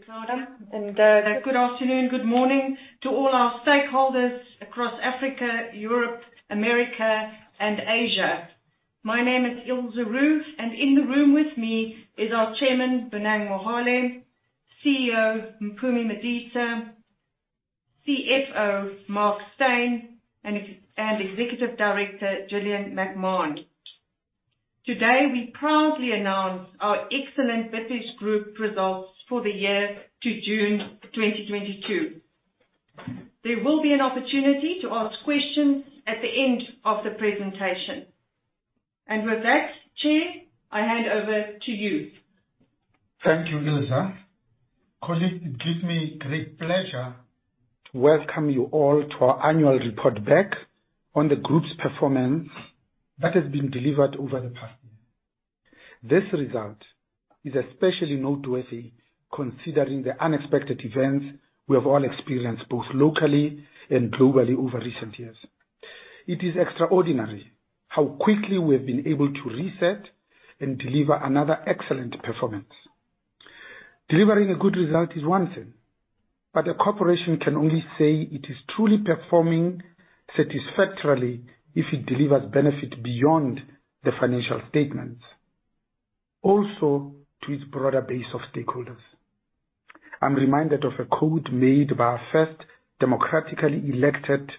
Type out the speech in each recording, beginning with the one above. Thank you, Claudia. Good afternoon, good morning to all our stakeholders across Africa, Europe, America and Asia. My name is Ilze Roux, and in the room with me is our Chairman, Bonang Mohale, CEO Mpumi Madisa, CFO Mark Steyn, and Executive Director Gillian McMahon. Today, we proudly announce our excellent Bidvest Group results for the year to June 2022. There will be an opportunity to ask questions at the end of the presentation. With that, Chair, I hand over to you. Thank you, Ilze. Colleagues, it gives me great pleasure to welcome you all to our annual report back on the group's performance that has been delivered over the past year. This result is especially noteworthy considering the unexpected events we have all experienced, both locally and globally, over recent years. It is extraordinary how quickly we have been able to reset and deliver another excellent performance. Delivering a good result is one thing, but a corporation can only say it is truly performing satisfactorily if it delivers benefit beyond the financial statements, also to its broader base of stakeholders. I'm reminded of a quote made by our first democratically elected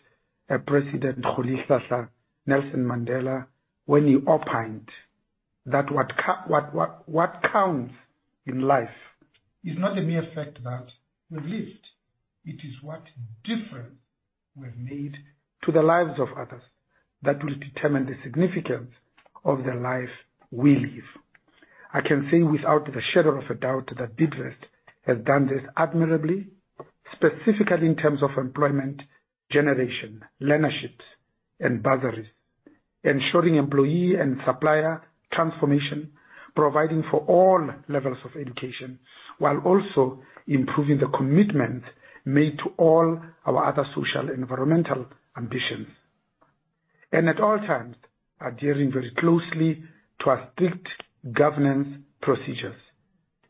president, Rolihlahla Nelson Mandela, when he opined that what counts in life is not the mere fact that we lived. It is what difference we have made to the lives of others that will determine the significance of the life we live. I can say without a shadow of a doubt that Bidvest has done this admirably, specifically in terms of employment generation, learnerships and bursaries, ensuring employee and supplier transformation, providing for all levels of education, while also improving the commitment made to all our other social environmental ambitions. At all times, adhering very closely to our strict governance procedures.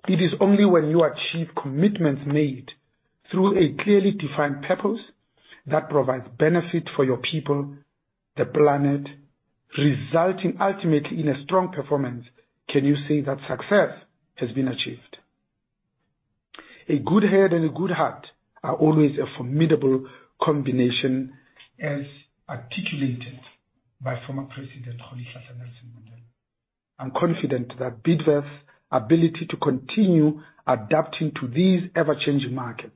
It is only when you achieve commitments made through a clearly defined purpose that provides benefit for your people, the planet, resulting ultimately in a strong performance, can you say that success has been achieved. A good head and a good heart are always a formidable combination, as articulated by former President Rolihlahla Nelson Mandela. I'm confident that Bidvest's ability to continue adapting to these ever-changing markets,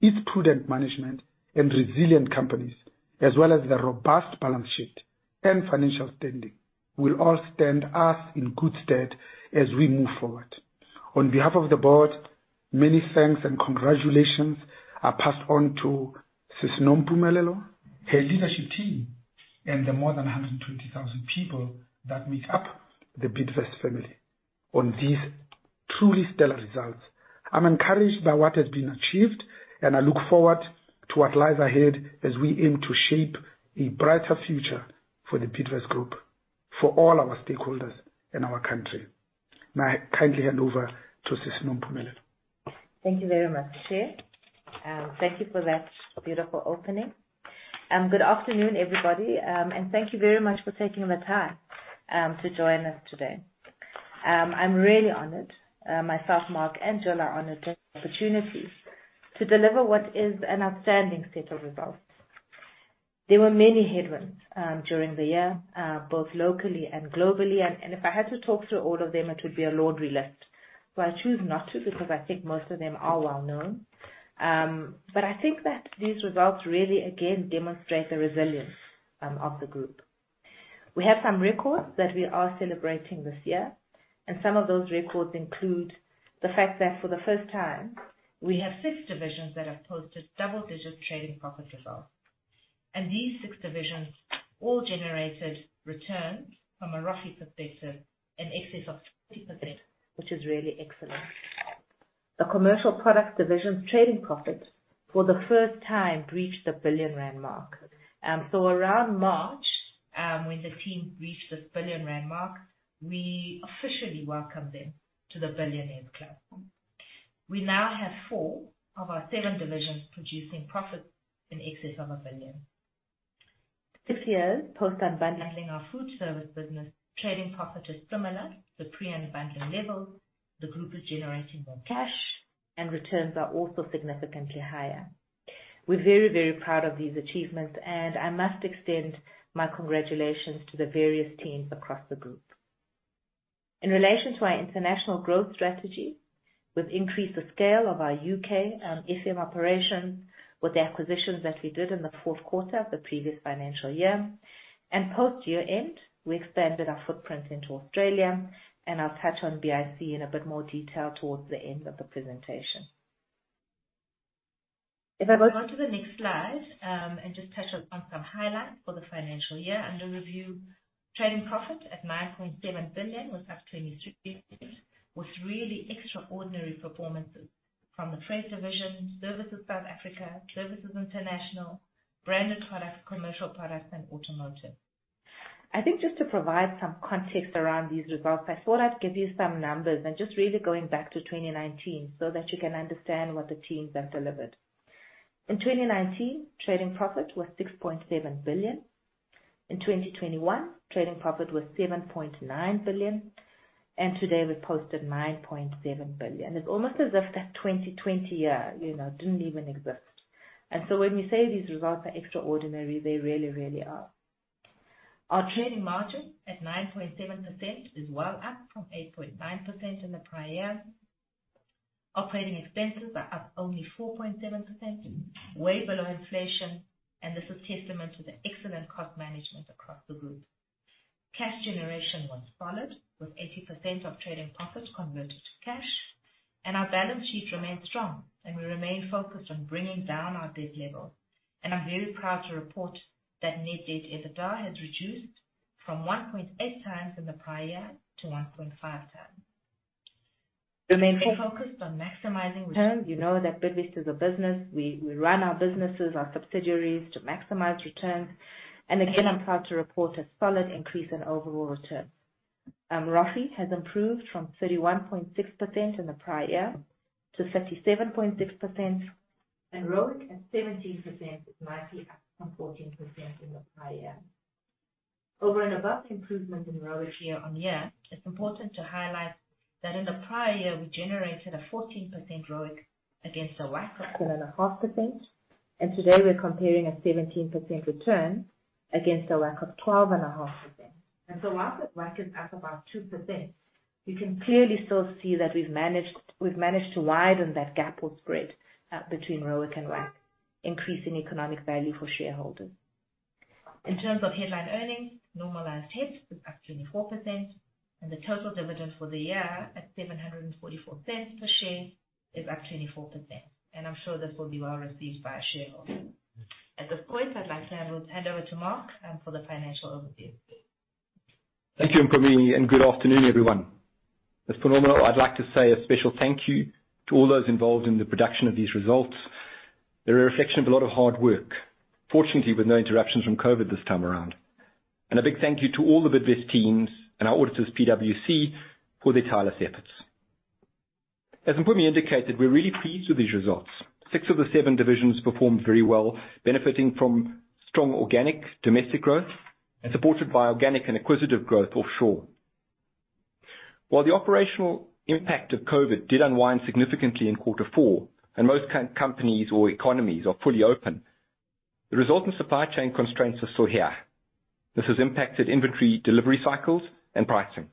its prudent management and resilient companies, as well as the robust balance sheet and financial standing, will all stand us in good stead as we move forward. On behalf of the board, many thanks and congratulations are passed on to Nompumelelo Madisa, her leadership team, and the more than 120,000 people that make up the Bidvest family on these truly stellar results. I'm encouraged by what has been achieved, and I look forward to what lies ahead as we aim to shape a brighter future for the Bidvest Group, for all our stakeholders in our country. My kindly handover to Nompumelelo Madisa. Thank you very much, Chair. Thank you for that beautiful opening. Good afternoon, everybody, and thank you very much for taking the time to join us today. I'm really honored. Myself, Mark and Gill are honored to have the opportunity to deliver what is an outstanding set of results. There were many headwinds during the year, both locally and globally. If I had to talk through all of them, it would be a laundry list. I choose not to because I think most of them are well-known. I think that these results really, again, demonstrate the resilience of the group. We have some records that we are celebrating this year, and some of those records include the fact that for the first time, we have six divisions that have posted double-digit trading profit results. These six divisions all generated returns from a ROFE perspective in excess of 60%, which is really excellent. The Commercial Products Division's trading profit for the first time reached 1 billion rand mark. Around March, when the team reached this 1 billion rand mark, we officially welcomed them to the Billionaires Club. We now have four of our seven divisions producing profits in excess of 1 billion. This year, post unbundling of Food Service business, trading profit is similar to pre-unbundling levels. The group is generating more cash and returns are also significantly higher. We're very, very proud of these achievements, and I must extend my congratulations to the various teams across the group. In relation to our international growth strategy, we've increased the scale of our UK and FM operations with the acquisitions that we did in the fourth quarter of the previous financial year. Post year-end, we expanded our footprint into Australia, and I'll touch on BIC in a bit more detail towards the end of the presentation. If I go on to the next slide, and just touch on some highlights for the financial year under review. Trading profit at 9.7 billion was up 23% with really extraordinary performances from the Trade division, Services SA, Services International, Branded Products, Commercial Products and Automotive. I think just to provide some context around these results, I thought I'd give you some numbers and just really going back to 2019 so that you can understand what the teams have delivered. In 2019, trading profit was 6.7 billion. In 2021, trading profit was 7.9 billion. Today we posted 9.7 billion. It's almost as if that 2020 year, you know, didn't even exist. When we say these results are extraordinary, they really, really are. Our trading margin at 9.7% is well up from 8.9% in the prior year. Operating expenses are up only 4.7%, way below inflation, and this is testament to the excellent cost management across the group. Cash generation was solid, with 80% of trading profits converted to cash. Our balance sheet remains strong, and we remain focused on bringing down our debt level. I'm very proud to report that net debt to EBITDA has reduced from 1.8 times in the prior year to 1.5 times. We remain focused on maximizing returns. You know that Bidvest is a business. We run our businesses, our subsidiaries to maximize returns. Again, I'm proud to report a solid increase in overall returns. ROFE has improved from 31.6% in the prior year to 37.6%. ROIC at 17% is nicely up from 14% in the prior year. Over and above the improvement in ROIC year-on-year, it's important to highlight that in the prior year, we generated a 14% ROIC against a WACC of 10.5%. Today we're comparing a 17% return against a WACC of 12.5%. While the WACC is up about 2%, you can clearly still see that we've managed to widen that gap or spread between ROIC and WACC, increasing economic value for shareholders. In terms of headline earnings, normalized HEPS is up 24%, and the total dividend for the year at 7.44 per share is up 24%.I'm sure this will be well received by our shareholders. At this point, I'd like to hand over to Mark for the financial overview. Thank you, Mpumi, and good afternoon, everyone. It's phenomenal, I'd like to say a special thank you to all those involved in the production of these results. They're a reflection of a lot of hard work. Fortunately, with no interruptions from COVID this time around. A big thank you to all the Bidvest teams and our auditors, PwC, for their tireless efforts. As Mpumi indicated, we're really pleased with these results. Six of the seven divisions performed very well, benefiting from strong organic domestic growth and supported by organic and acquisitive growth offshore. While the operational impact of COVID did unwind significantly in quarter four, and most companies or economies are fully open, the resulting supply chain constraints are still here. This has impacted inventory delivery cycles and pricing.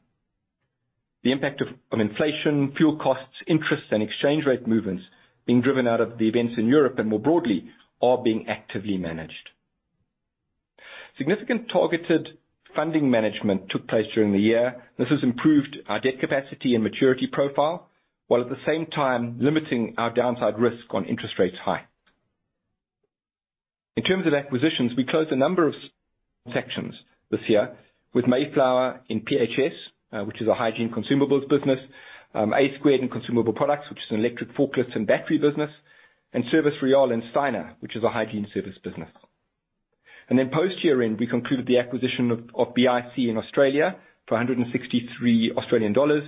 The impact of inflation, fuel costs, interest, and exchange rate movements being driven out of the events in Europe and more broadly are being actively managed. Significant targeted funding management took place during the year. This has improved our debt capacity and maturity profile, while at the same time limiting our downside risk on high interest rates. In terms of acquisitions, we closed a number of transactions this year with Mayflower in PHS, which is a hygiene consumables business, A Squared in consumable products, which is an electric forklifts and battery business, and Service Royale in Steiner, which is a hygiene service business. Post year-end, we concluded the acquisition of BIC in Australia for 163 Australian dollars,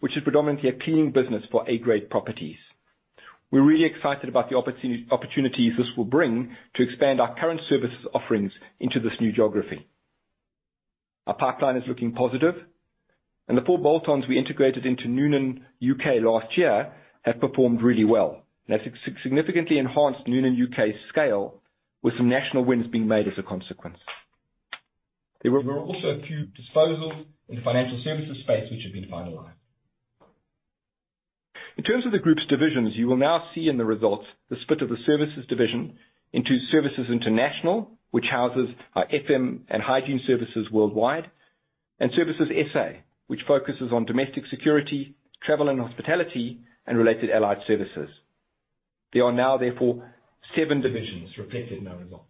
which is predominantly a cleaning business for A-grade properties. We're really excited about the opportunities this will bring to expand our current services offerings into this new geography. Our pipeline is looking positive, and the four bolt-ons we integrated into Noonan UK last year have performed really well. They've significantly enhanced Noonan UK's scale, with some national wins being made as a consequence. There were also a few disposals in the financial services space which have been finalized. In terms of the group's divisions, you will now see in the results the split of the services division into Services International, which houses our FM and hygiene services worldwide, and Services SA, which focuses on domestic security, travel and hospitality and related allied services. There are now therefore seven divisions reflected in our results.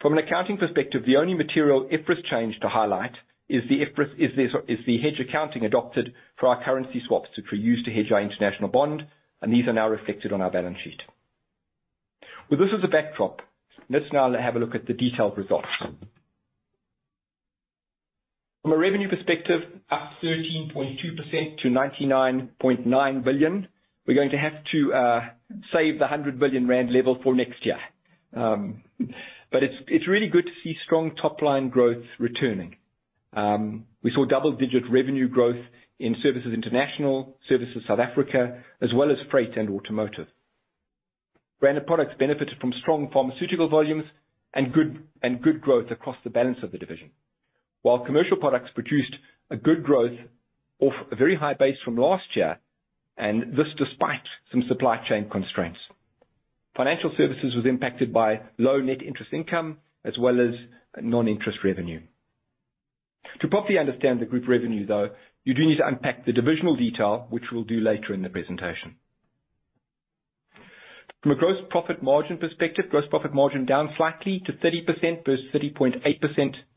From an accounting perspective, the only material IFRS change to highlight is the hedge accounting adopted for our currency swaps, which we use to hedge our international bond, and these are now reflected on our balance sheet. With this as a backdrop, let's now have a look at the detailed results. From a revenue perspective, up 13.2% to 99.9 billion. We're going to have to save the 100 billion rand level for next year. It's really good to see strong top-line growth returning. We saw double-digit revenue growth in Services International, Services South Africa, as well as Freight and Automotive. Branded Products benefited from strong pharmaceutical volumes and good growth across the balance of the division. While Commercial Products produced a good growth off a very high base from last year, and this despite some supply chain constraints. Financial Services was impacted by low net interest income as well as non-interest revenue. To properly understand the group revenue, though, you do need to unpack the divisional detail, which we'll do later in the presentation. From a gross profit margin perspective, gross profit margin down slightly to 30% versus 30.8%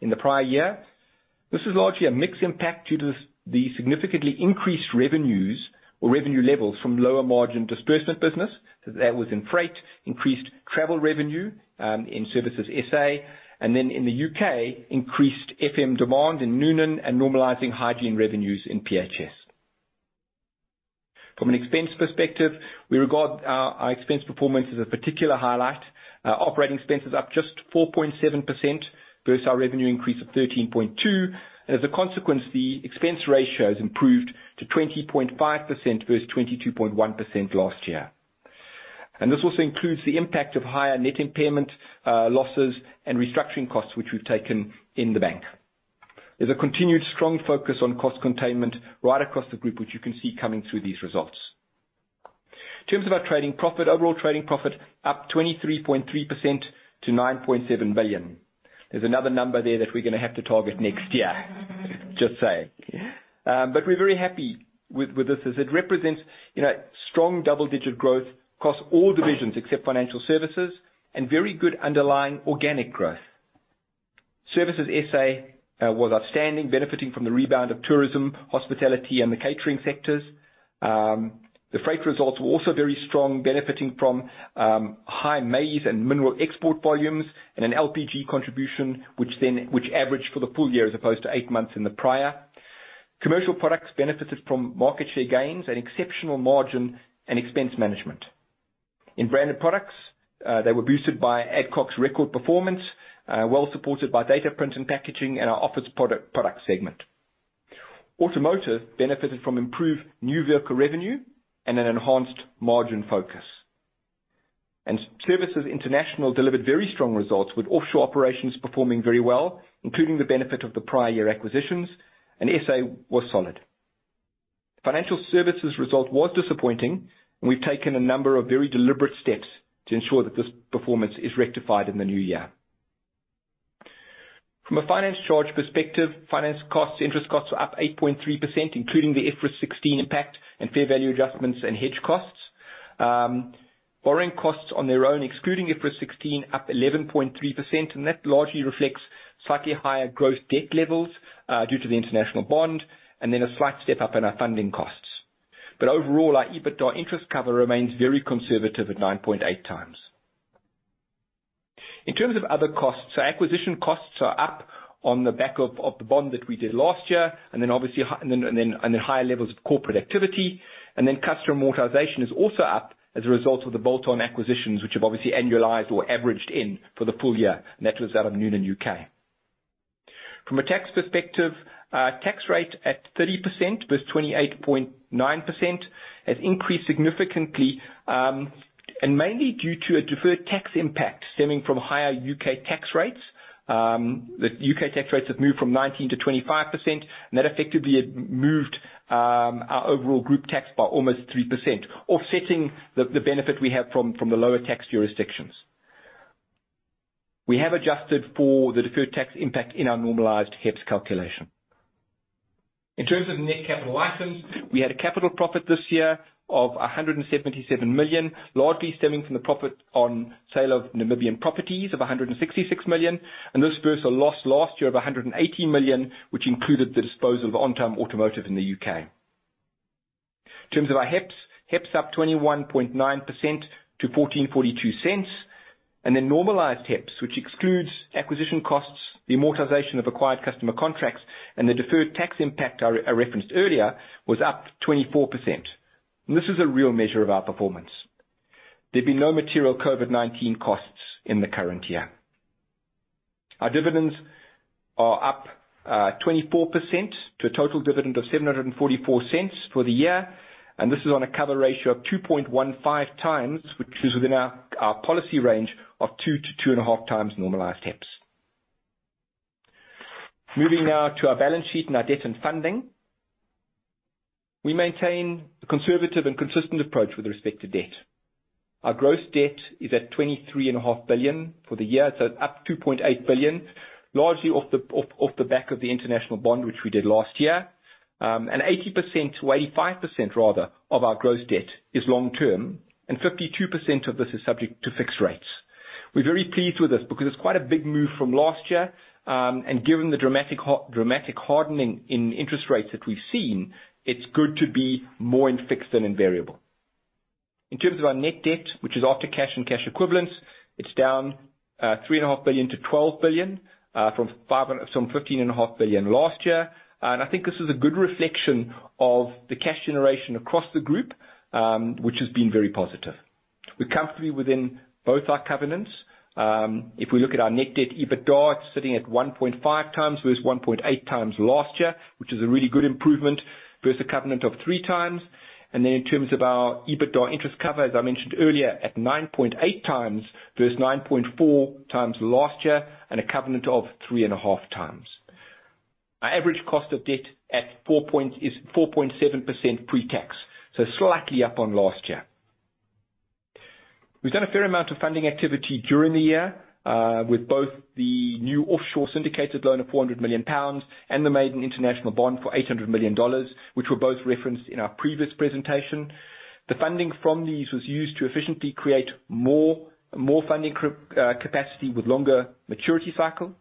in the prior year. This is largely a mix impact due to the significantly increased revenues or revenue levels from lower margin distribution business. So that was in Freight, increased travel revenue, in Services SA, and then in the U.K., increased FM demand in Noonan and normalizing hygiene revenues in PHS. From an expense perspective, we regard our expense performance as a particular highlight. Operating expenses up just 4.7% versus our revenue increase of 13.2%. As a consequence, the expense ratio has improved to 20.5% versus 22.1% last year. This also includes the impact of higher net impairment losses and restructuring costs, which we've taken in the bank. There's a continued strong focus on cost containment right across the group, which you can see coming through these results. In terms of our trading profit, overall trading profit up 23.3% to 9.7 billion. There's another number there that we're gonna have to target next year. Just saying. But we're very happy with this as it represents, you know, strong double-digit growth across all divisions except financial services and very good underlying organic growth. Services SA was outstanding, benefiting from the rebound of tourism, hospitality, and the catering sectors. The freight results were also very strong, benefiting from high maize and mineral export volumes and an LPG contribution, which averaged for the full year as opposed to eight months in the prior. Commercial products benefited from market share gains and exceptional margin and expense management. In branded products, they were boosted by Adcock record performance, well supported by data print and packaging and our office product segment. Automotive benefited from improved new vehicle revenue and an enhanced margin focus. Services International delivered very strong results with offshore operations performing very well, including the benefit of the prior year acquisitions, and SA was solid. Financial services result was disappointing, and we've taken a number of very deliberate steps to ensure that this performance is rectified in the new year. From a finance charge perspective, finance costs, interest costs were up 8.3%, including the IFRS 16 impact and fair value adjustments and hedge costs. Borrowing costs on their own, excluding IFRS 16 up 11.3%, and that largely reflects slightly higher gross debt levels, due to the international bond, and then a slight step-up in our funding costs. Overall, our EBITDA interest cover remains very conservative at 9.8 times. In terms of other costs, acquisition costs are up on the back of the bond that we did last year, and then higher levels of corporate activity. Then customer amortization is also up as a result of the bolt-on acquisitions, which have obviously annualized or averaged in for the full year. That was out of Noonan, UK. From a tax perspective, tax rate at 30% versus 28.9% has increased significantly, and mainly due to a deferred tax impact stemming from higher UK tax rates. The UK tax rates have moved from 19% to 25%, and that effectively had moved our overall group tax by almost 3%, offsetting the benefit we have from the lower tax jurisdictions. We have adjusted for the deferred tax impact in our normalized HEPS calculation. In terms of net capital items, we had a capital profit this year of 177 million, largely stemming from the profit on sale of Namibian properties of 166 million, and this versus a loss last year of 180 million, which included the disposal of Ontime Automotive in the UK. In terms of our HEPS up 21.9% to 14.42. Normalized HEPS, which excludes acquisition costs, the amortization of acquired customer contracts, and the deferred tax impact I referenced earlier, was up 24%. This is a real measure of our performance. There've been no material COVID-19 costs in the current year. Our dividends are up 24% to a total dividend of 7.44 for the year, and this is on a cover ratio of 2.15 times, which is within our policy range of 2-2.5 times normalized HEPS. Moving now to our balance sheet and our debt and funding. We maintain a conservative and consistent approach with respect to debt. Our gross debt is at 23.5 billion for the year, so up 2.8 billion, largely off the back of the international bond, which we did last year. And 80%-85% rather of our gross debt is long-term, and 52% of this is subject to fixed rates. We're very pleased with this because it's quite a big move from last year, and given the dramatic hardening in interest rates that we've seen, it's good to be more in fixed than in variable. In terms of our net debt, which is after cash and cash equivalents, it's down 3.5 billion to 12 billion from 15.5 billion last year. I think this is a good reflection of the cash generation across the group, which has been very positive. We're comfortably within both our covenants. If we look at our net debt, EBITDA, it's sitting at 1.5 times versus 1.8 times last year, which is a really good improvement versus a covenant of 3 times. In terms of our EBITDA interest cover, as I mentioned earlier, at 9.8 times versus 9.4 times last year and a covenant of 3.5 times. Our average cost of debt at 4.0% is 4.7% pre-tax, so slightly up on last year. We've done a fair amount of funding activity during the year, with both the new offshore syndicated loan of 400 million pounds and the Maiden International bond for $800 million, which were both referenced in our previous presentation. The funding from these was used to efficiently create more funding capacity with longer maturity cycle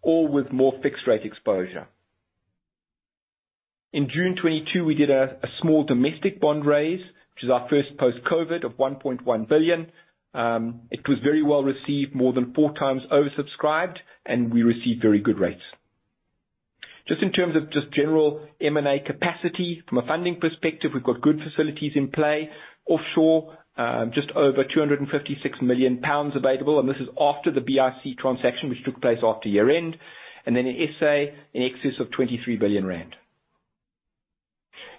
or with more fixed rate exposure. In June 2022, we did a small domestic bond raise, which is our first post-COVID of 1.1 billion. It was very well received, more than 4 times oversubscribed, and we received very good rates. Just in terms of general M&A capacity from a funding perspective, we've got good facilities in play. Offshore, just over 256 million pounds available, and this is after the BIC transaction which took place after year-end, and then in SA, in excess of 23 billion rand.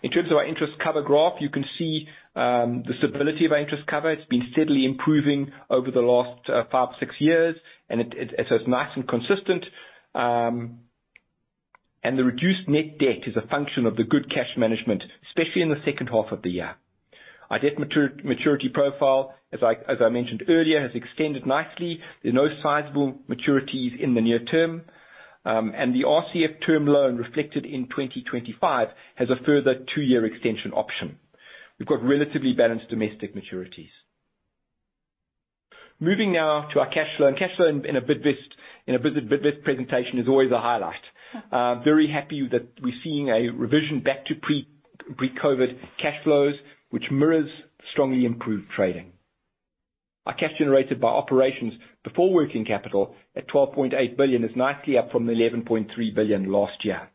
In terms of our interest cover graph, you can see the stability of our interest cover. It's been steadily improving over the last 5-6 years, and so it's nice and consistent. The reduced net debt is a function of the good cash management, especially in the second half of the year. Our debt maturity profile, as I mentioned earlier, has extended nicely. There are no sizable maturities in the near term, and the RCF term loan reflected in 2025 has a further two-year extension option. We've got relatively balanced domestic maturities. Moving now to our cash flow. Cash flow in a Bidvest presentation is always a highlight. Very happy that we're seeing a revision back to pre-COVID cash flows, which mirrors strongly improved trading. Our cash generated by operations before working capital at 12.8 billion is nicely up from 11.3 billion last year.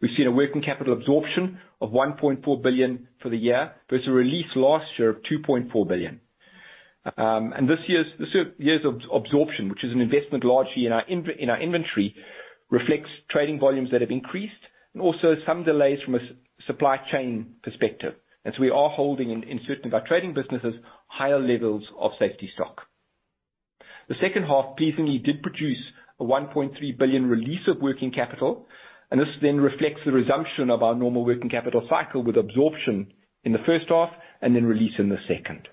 We've seen a working capital absorption of 1.4 billion for the year versus a release last year of 2.4 billion. This year's absorption, which is an investment largely in our inventory, reflects trading volumes that have increased and also some delays from a supply chain perspective. We are holding in certain of our trading businesses higher levels of safety stock. The second half pleasingly did produce a 1.3 billion release of working capital, and this then reflects the resumption of our normal working capital cycle with absorption in the first half and then release in the second.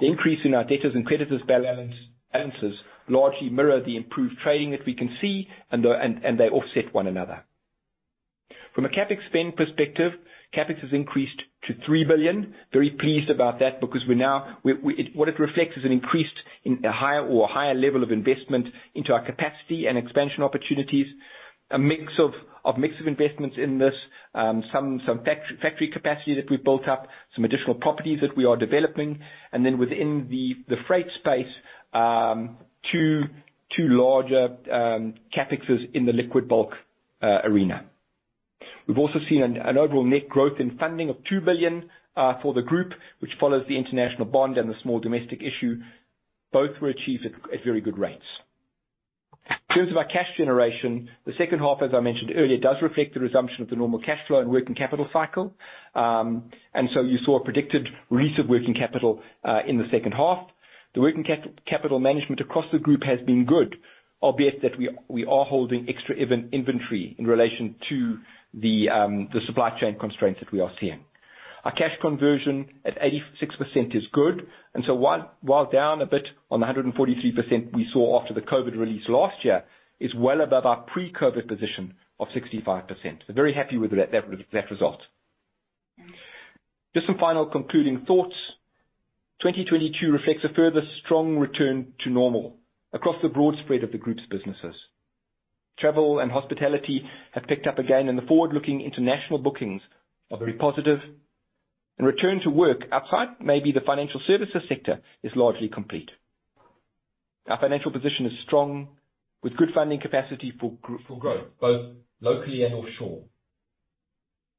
The increase in our debtors and creditors balances largely mirrors the improved trading that we can see, and they offset one another. From a CapEx spend perspective, CapEx has increased to 3 billion. Very pleased about that because we are now. What it reflects is an increase in a higher level of investment into our capacity and expansion opportunities. A mix of investments in this. Some factory capacity that we've built up, some additional properties that we are developing, and then within the freight space, two larger CapExes in the liquid bulk arena. We've also seen an overall net growth in funding of 2 billion for the group which follows the international bond and the small domestic issue. Both were achieved at very good rates. In terms of our cash generation, the second half, as I mentioned earlier, does reflect the resumption of the normal cash flow and working capital cycle. You saw a predicted release of working capital in the second half. The working capital management across the group has been good, albeit that we are holding extra inventory in relation to the supply chain constraints that we are seeing. Our cash conversion at 86% is good, and so while down a bit on the 143% we saw after the COVID release last year, is well above our pre-COVID position of 65%. We're very happy with that result. Just some final concluding thoughts. 2022 reflects a further strong return to normal across the broad spread of the group's businesses. Travel and hospitality have picked up again, and the forward-looking international bookings are very positive. Return to work outside maybe the financial services sector is largely complete. Our financial position is strong with good funding capacity for growth, both locally and offshore.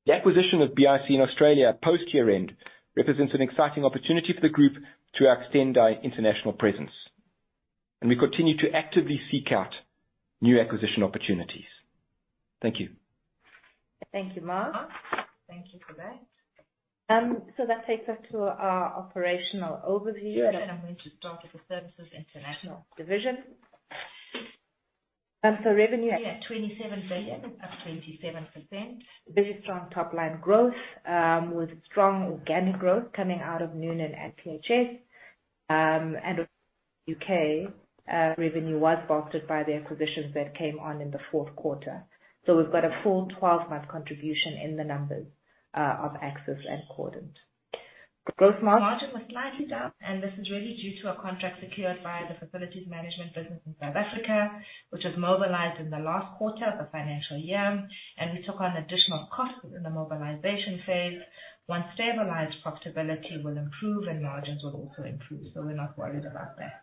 The acquisition of BIC in Australia post year-end represents an exciting opportunity for the group to extend our international presence, and we continue to actively seek out new acquisition opportunities. Thank you. Thank you, Mark. Thank you for that. That takes us to our operational overview, and I'm going to start with the Services International Division. Revenue here, 27 billion, up 27%. Very strong top-line growth, with strong organic growth coming out of Noonan and PHS. UK revenue was bolstered by the acquisitions that came on in the fourth quarter. We've got a full 12-month contribution in the numbers, of Axis and Cordant. Gross margin was slightly down, and this is really due to a contract secured by the facilities management business in South Africa, which was mobilized in the last quarter of the financial year. We took on additional costs in the mobilization phase. Once stabilized, profitability will improve and margins will also improve. We're not worried about that.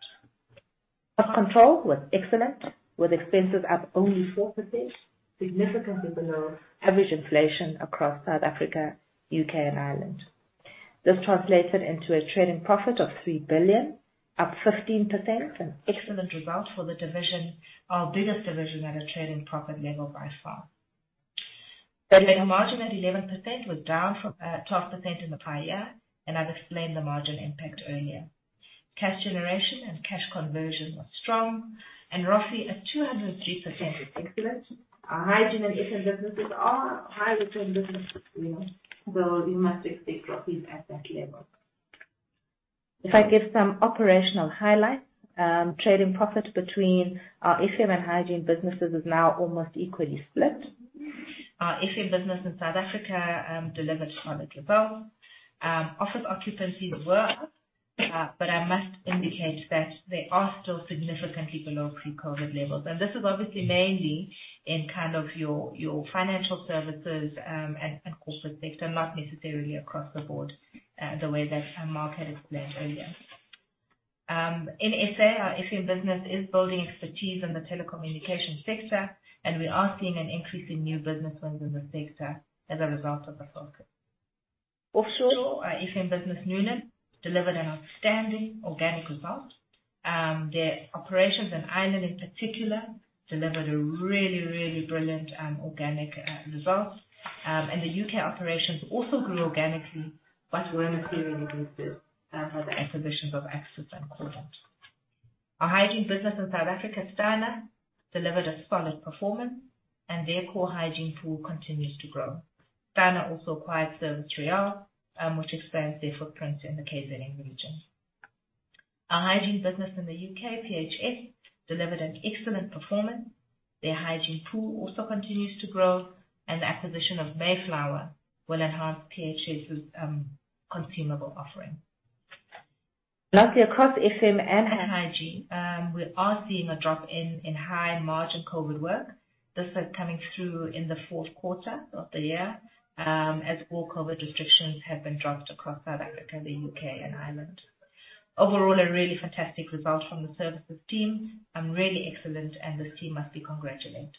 Cost control was excellent, with expenses up only 4%, significantly below average inflation across South Africa, UK and Ireland. This translated into a trading profit of 3 billion, up 15%, an excellent result for the division, our biggest division at a trading profit level by far. Operating margin at 11% was down from 12% in the prior year, and I've explained the margin impact earlier. Cash generation and cash conversion was strong and ROFE at 203% is excellent. Our hygiene and essence businesses are high return businesses, you know, so you must expect ROFEs at that level. If I give some operational highlights, trading profit between our FM and hygiene businesses is now almost equally split. Our FM business in South Africa delivered solid results. Office occupancies were up, but I must indicate that they are still significantly below pre-COVID levels. This is obviously mainly in kind of your financial services and corporate sector, not necessarily across the board, the way that Mark had explained earlier. In SA, our FM business is building expertise in the telecommunications sector, and we are seeing an increase in new business wins in the sector as a result of this effort. Offshore, our FM business, Noonan, delivered an outstanding organic result. Their operations in Ireland in particular delivered a really brilliant organic result. The UK operations also grew organically but were materially boosted by the acquisitions of Axis and Quorum. Our hygiene business in South Africa, Steiner, delivered a solid performance, and their core hygiene pool continues to grow. Steiner also acquired Service Royale, which expands their footprint in the KZN region. Our hygiene business in the UK, PHS, delivered an excellent performance. Their hygiene pool also continues to grow, and the acquisition of Mayflower will enhance PHS's consumable offering. Lastly, across FM and hygiene, we are seeing a drop in high margin COVID work. This is coming through in the fourth quarter of the year, as all COVID restrictions have been dropped across South Africa, the UK and Ireland. Overall, a really fantastic result from the services team and really excellent, and this team must be congratulated.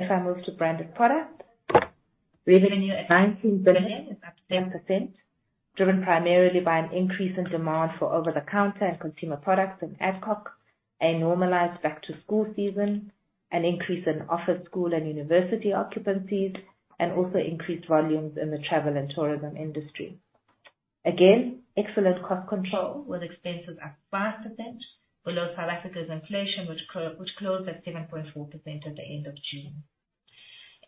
If I move to branded product, revenue at ZAR 19 billion is up 10%, driven primarily by an increase in demand for over-the-counter and consumer products in Adcock Ingram, a normalized back to school season, an increase in office, school and university occupancies, and also increased volumes in the travel and tourism industry. Again, excellent cost control with expenses up 5% below South Africa's inflation, which closed at 7.4% at the end of June.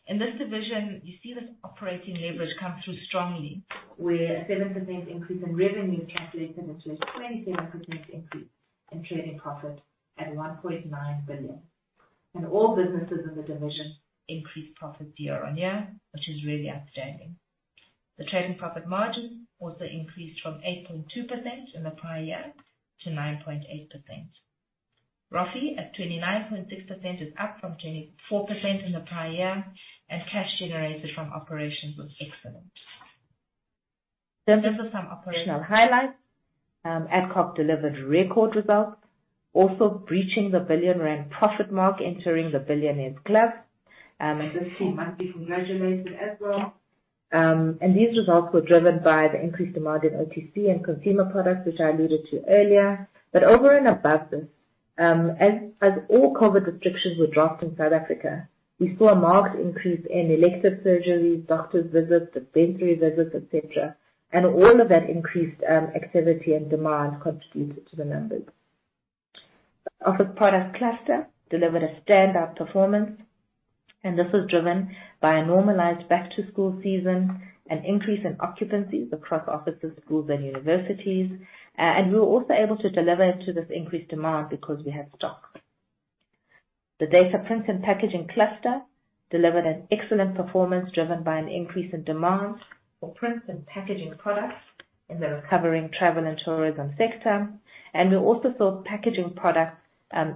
In this division, you see this operating leverage come through strongly, where a 7% increase in revenue translated into a 23% increase in trading profit at 1.9 billion. All businesses in the division increased profit year on year, which is really outstanding. The trading profit margin also increased from 8.2% in the prior year to 9.8%. ROFE at 29.6% is up from 24% in the prior year, and cash generated from operations was excellent. Just some operational highlights. Adcock delivered record results, also breaching the 1 billion rand profit mark entering the Billionaires Club. This team must be congratulated as well. These results were driven by the increased demand in OTC and consumer products, which I alluded to earlier. Over and above this, as all COVID restrictions were dropped in South Africa, we saw a marked increase in elective surgeries, doctors visits, dentistry visits, et cetera. All of that increased activity and demand contributed to the numbers. Office product cluster delivered a standout performance, and this was driven by a normalized back to school season, an increase in occupancies across offices, schools and universities. We were also able to deliver to this increased demand because we had stock. The Data Print and Packaging cluster delivered an excellent performance, driven by an increase in demand for print and packaging products in the recovering travel and tourism sector. We also saw packaging products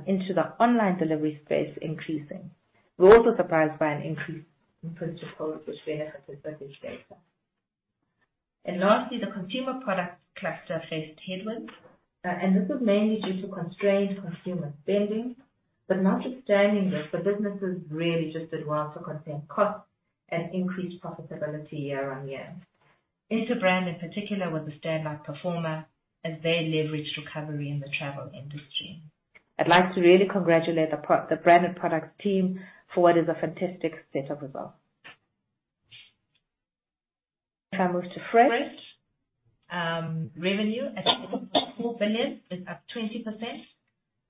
into the online delivery space increasing. We're also surprised by an increase in purchase of gold, which benefited Package Data. Lastly, the consumer products cluster faced headwinds, and this was mainly due to constrained consumer spending. Notwithstanding this, the businesses really just did well to contain costs and increase profitability year on year. Interbrand in particular was a standout performer as they leveraged recovery in the travel industry. I'd like to really congratulate the branded products team for what is a fantastic set of results. If I move to Freight, revenue at 4 billion is up 20%,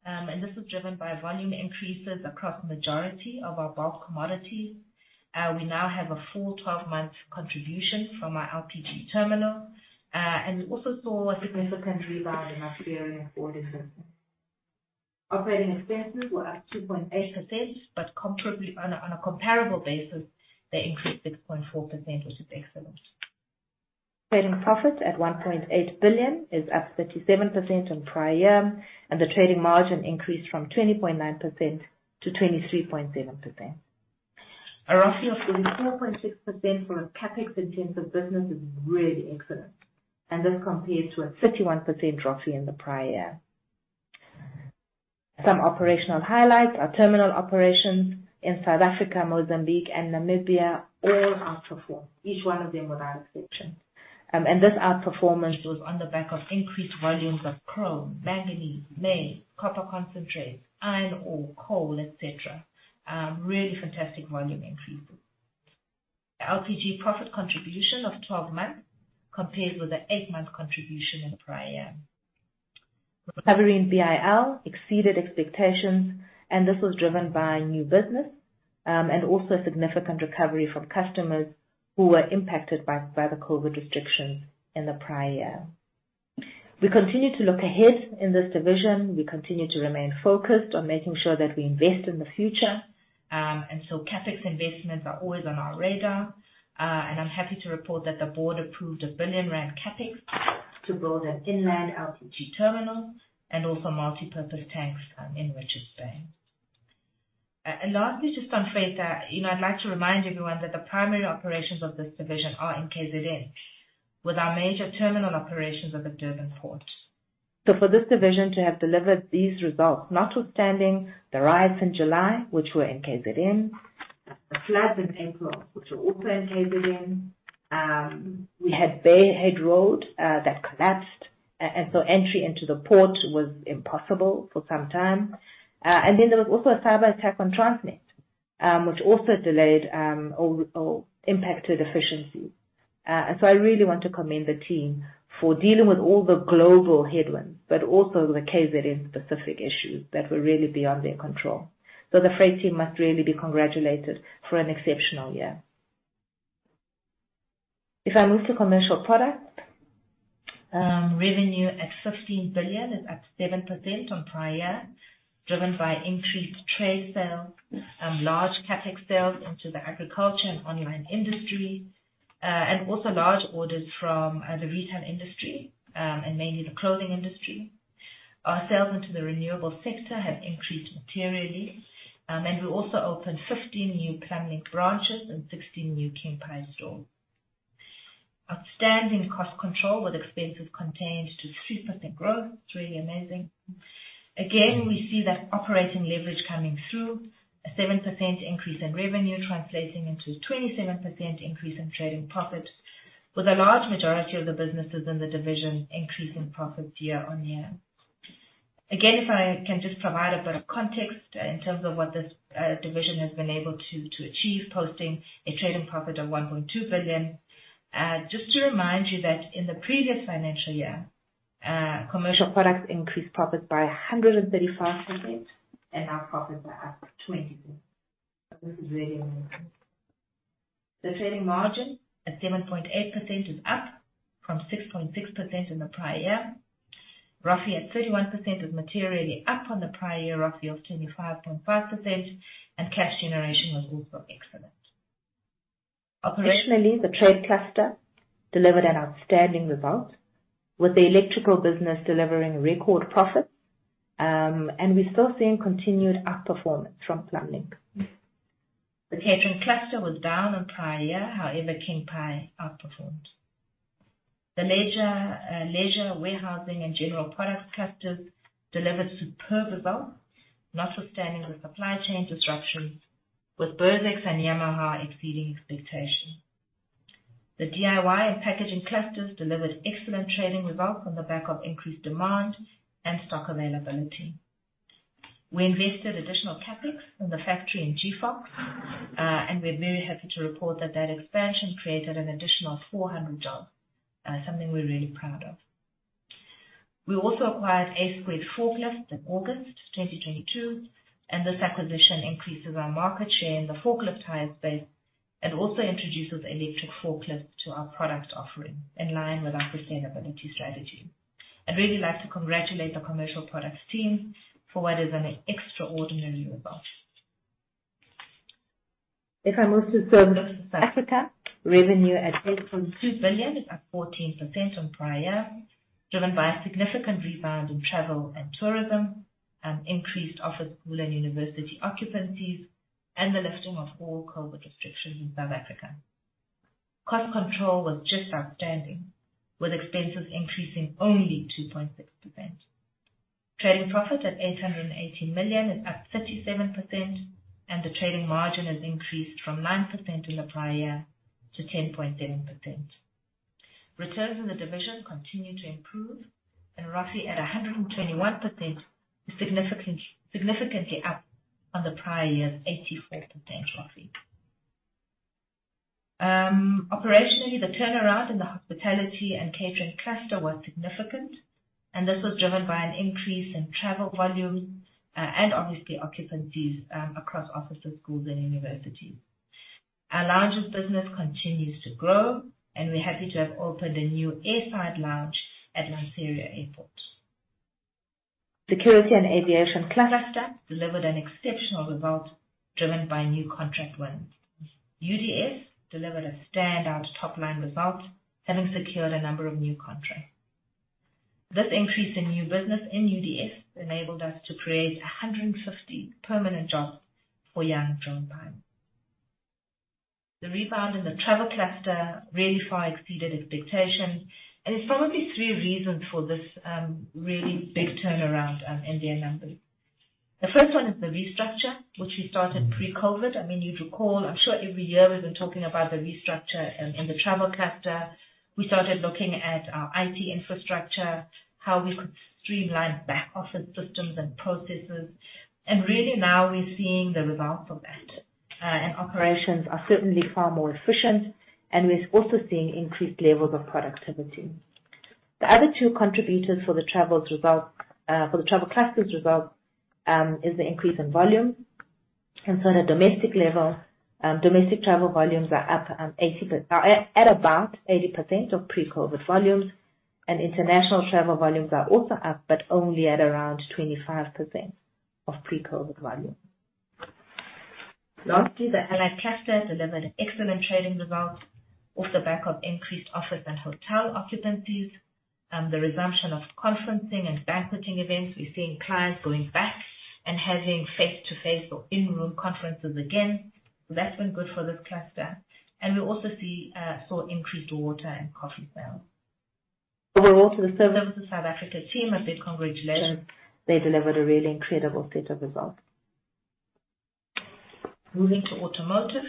and this is driven by volume increases across majority of our bulk commodities. We now have a full 12-month contribution from our LPG terminal, and we also saw a significant rebound in Australian ore business. Operating expenses were up 2.8%, but comparably, on a comparable basis, they increased 6.4%, which is excellent. Trading profit at 1.8 billion is up 37% on prior year, and the trading margin increased from 20.9% to 23.0%. A ROFE of 34.6% for a CapEx intensive business is really excellent, and this compares to a 31% ROFE in the prior year. Some operational highlights. Our terminal operations in South Africa, Mozambique and Namibia all outperformed, each one of them without exception. This outperformance was on the back of increased volumes of chrome, manganese, May, copper concentrate, iron ore, coal, et cetera. Really fantastic volume increases. LPG profit contribution of 12 months compares with the 8-month contribution in the prior year. Recovery in BIL exceeded expectations, and this was driven by new business and also significant recovery from customers who were impacted by the COVID restrictions in the prior year. We continue to look ahead in this division. We continue to remain focused on making sure that we invest in the future. CapEx investments are always on our radar. I'm happy to report that the board approved 1 billion rand CapEx to build an inland LPG terminal and also multipurpose tanks in Richards Bay. Lastly, just on freight, you know, I'd like to remind everyone that the primary operations of this division are in KZN, with our major terminal operations at the Durban port. For this division to have delivered these results, notwithstanding the riots in July, which were in KZN, the floods in April, which were also in KZN, we had Bayhead Road that collapsed, and so entry into the port was impossible for some time. Then there was also a cyber attack on Transnet, which also delayed, or impacted efficiency. I really want to commend the team for dealing with all the global headwinds, but also the KZN specific issues that were really beyond their control. The freight team must really be congratulated for an exceptional year. If I move to Commercial Products, revenue at 15 billion is up 7% on prior, driven by increased trade sales, large CapEx sales into the agriculture and online industry, and also large orders from the retail industry, and mainly the clothing industry. Our sales into the renewable sector have increased materially. We also opened 15 new Plumblink branches and 16 new Camp & Climb stores. Outstanding cost control, with expenses contained to 3% growth. It's really amazing. Again, we see that operating leverage coming through. A 7% increase in revenue translating into 27% increase in trading profit, with a large majority of the businesses in the division increasing profit year-on-year. Again, if I can just provide a bit of context in terms of what this division has been able to achieve, posting a trading profit of 1.2 billion. Just to remind you that in the previous financial year, Commercial Products increased profit by 135%, and now profits are up 20%. This is really amazing. The trading margin at 7.8% is up from 6.6% in the prior year. ROF at 31% is materially up on the prior year ROF of 25.5%, and cash generation was also excellent. Operationally, the trade cluster delivered an outstanding result, with the electrical business delivering record profits. We're still seeing continued outperformance from Plumbing. The catering cluster was down on prior year. However, Campai outperformed. The leisure warehousing, and general products clusters delivered superb results, notwithstanding the supply chain disruptions, with Burtex and Yamaha exceeding expectations. The DIY and packaging clusters delivered excellent trading results on the back of increased demand and stock availability. We invested additional CapEx in the factory in G.ox, and we're very happy to report that expansion created an additional 400 jobs, something we're really proud of. We also acquired A-Squared Forklifts in August 2022, and this acquisition increases our market share in the forklift hire space and also introduces electric forklifts to our product offering in line with our sustainability strategy. I'd really like to congratulate the commercial products team for what is an extraordinary result. If I move to Southern Africa, revenue at 8.2 billion is up 14% on prior, driven by a significant rebound in travel and tourism, increased office, school and university occupancies, and the lifting of all COVID restrictions in South Africa. Cost control was just outstanding, with expenses increasing only 2.6%. Trading profit at 818 million is up 37%, and the trading margin has increased from 9% in the prior year to 10.7%. Returns in the division continue to improve and ROFE at 121% is significant, significantly up on the prior year's 84% ROFE. Operationally, the turnaround in the hospitality and catering cluster was significant, and this was driven by an increase in travel volume, and obviously occupancies, across offices, schools and universities. Our lounges business continues to grow, and we're happy to have opened a new airside lounge at Lanseria Airport. Security and aviation cluster delivered an exceptional result driven by new contract wins. UDS delivered a standout top-line result, having secured a number of new contracts. This increase in new business in UDS enabled us to create 150 permanent jobs for young people. The rebound in the travel cluster really far exceeded expectations, and there's probably three reasons for this, really big turnaround, in their numbers. The first one is the restructure, which we started pre-COVID. I mean, you'd recall, I'm sure every year we've been talking about the restructure in the travel cluster. We started looking at our IT infrastructure, how we could streamline back office systems and processes, and really now we're seeing the results of that. Operations are certainly far more efficient, and we're also seeing increased levels of productivity. The other two contributors for the travels result for the travel cluster's result is the increase in volume. On a domestic level, domestic travel volumes are up at about 80% of pre-COVID volumes. International travel volumes are also up, but only at around 25% of pre-COVID volume. Lastly, the allied cluster delivered excellent trading results off the back of increased office and hotel occupancies, the resumption of conferencing and banqueting events. We're seeing clients going back and having face-to-face or in-room conferences again. That's been good for this cluster. We also saw increased water and coffee sales. Overall, to the Services SA team, a big congratulations. They delivered a really incredible set of results. Moving to automotive.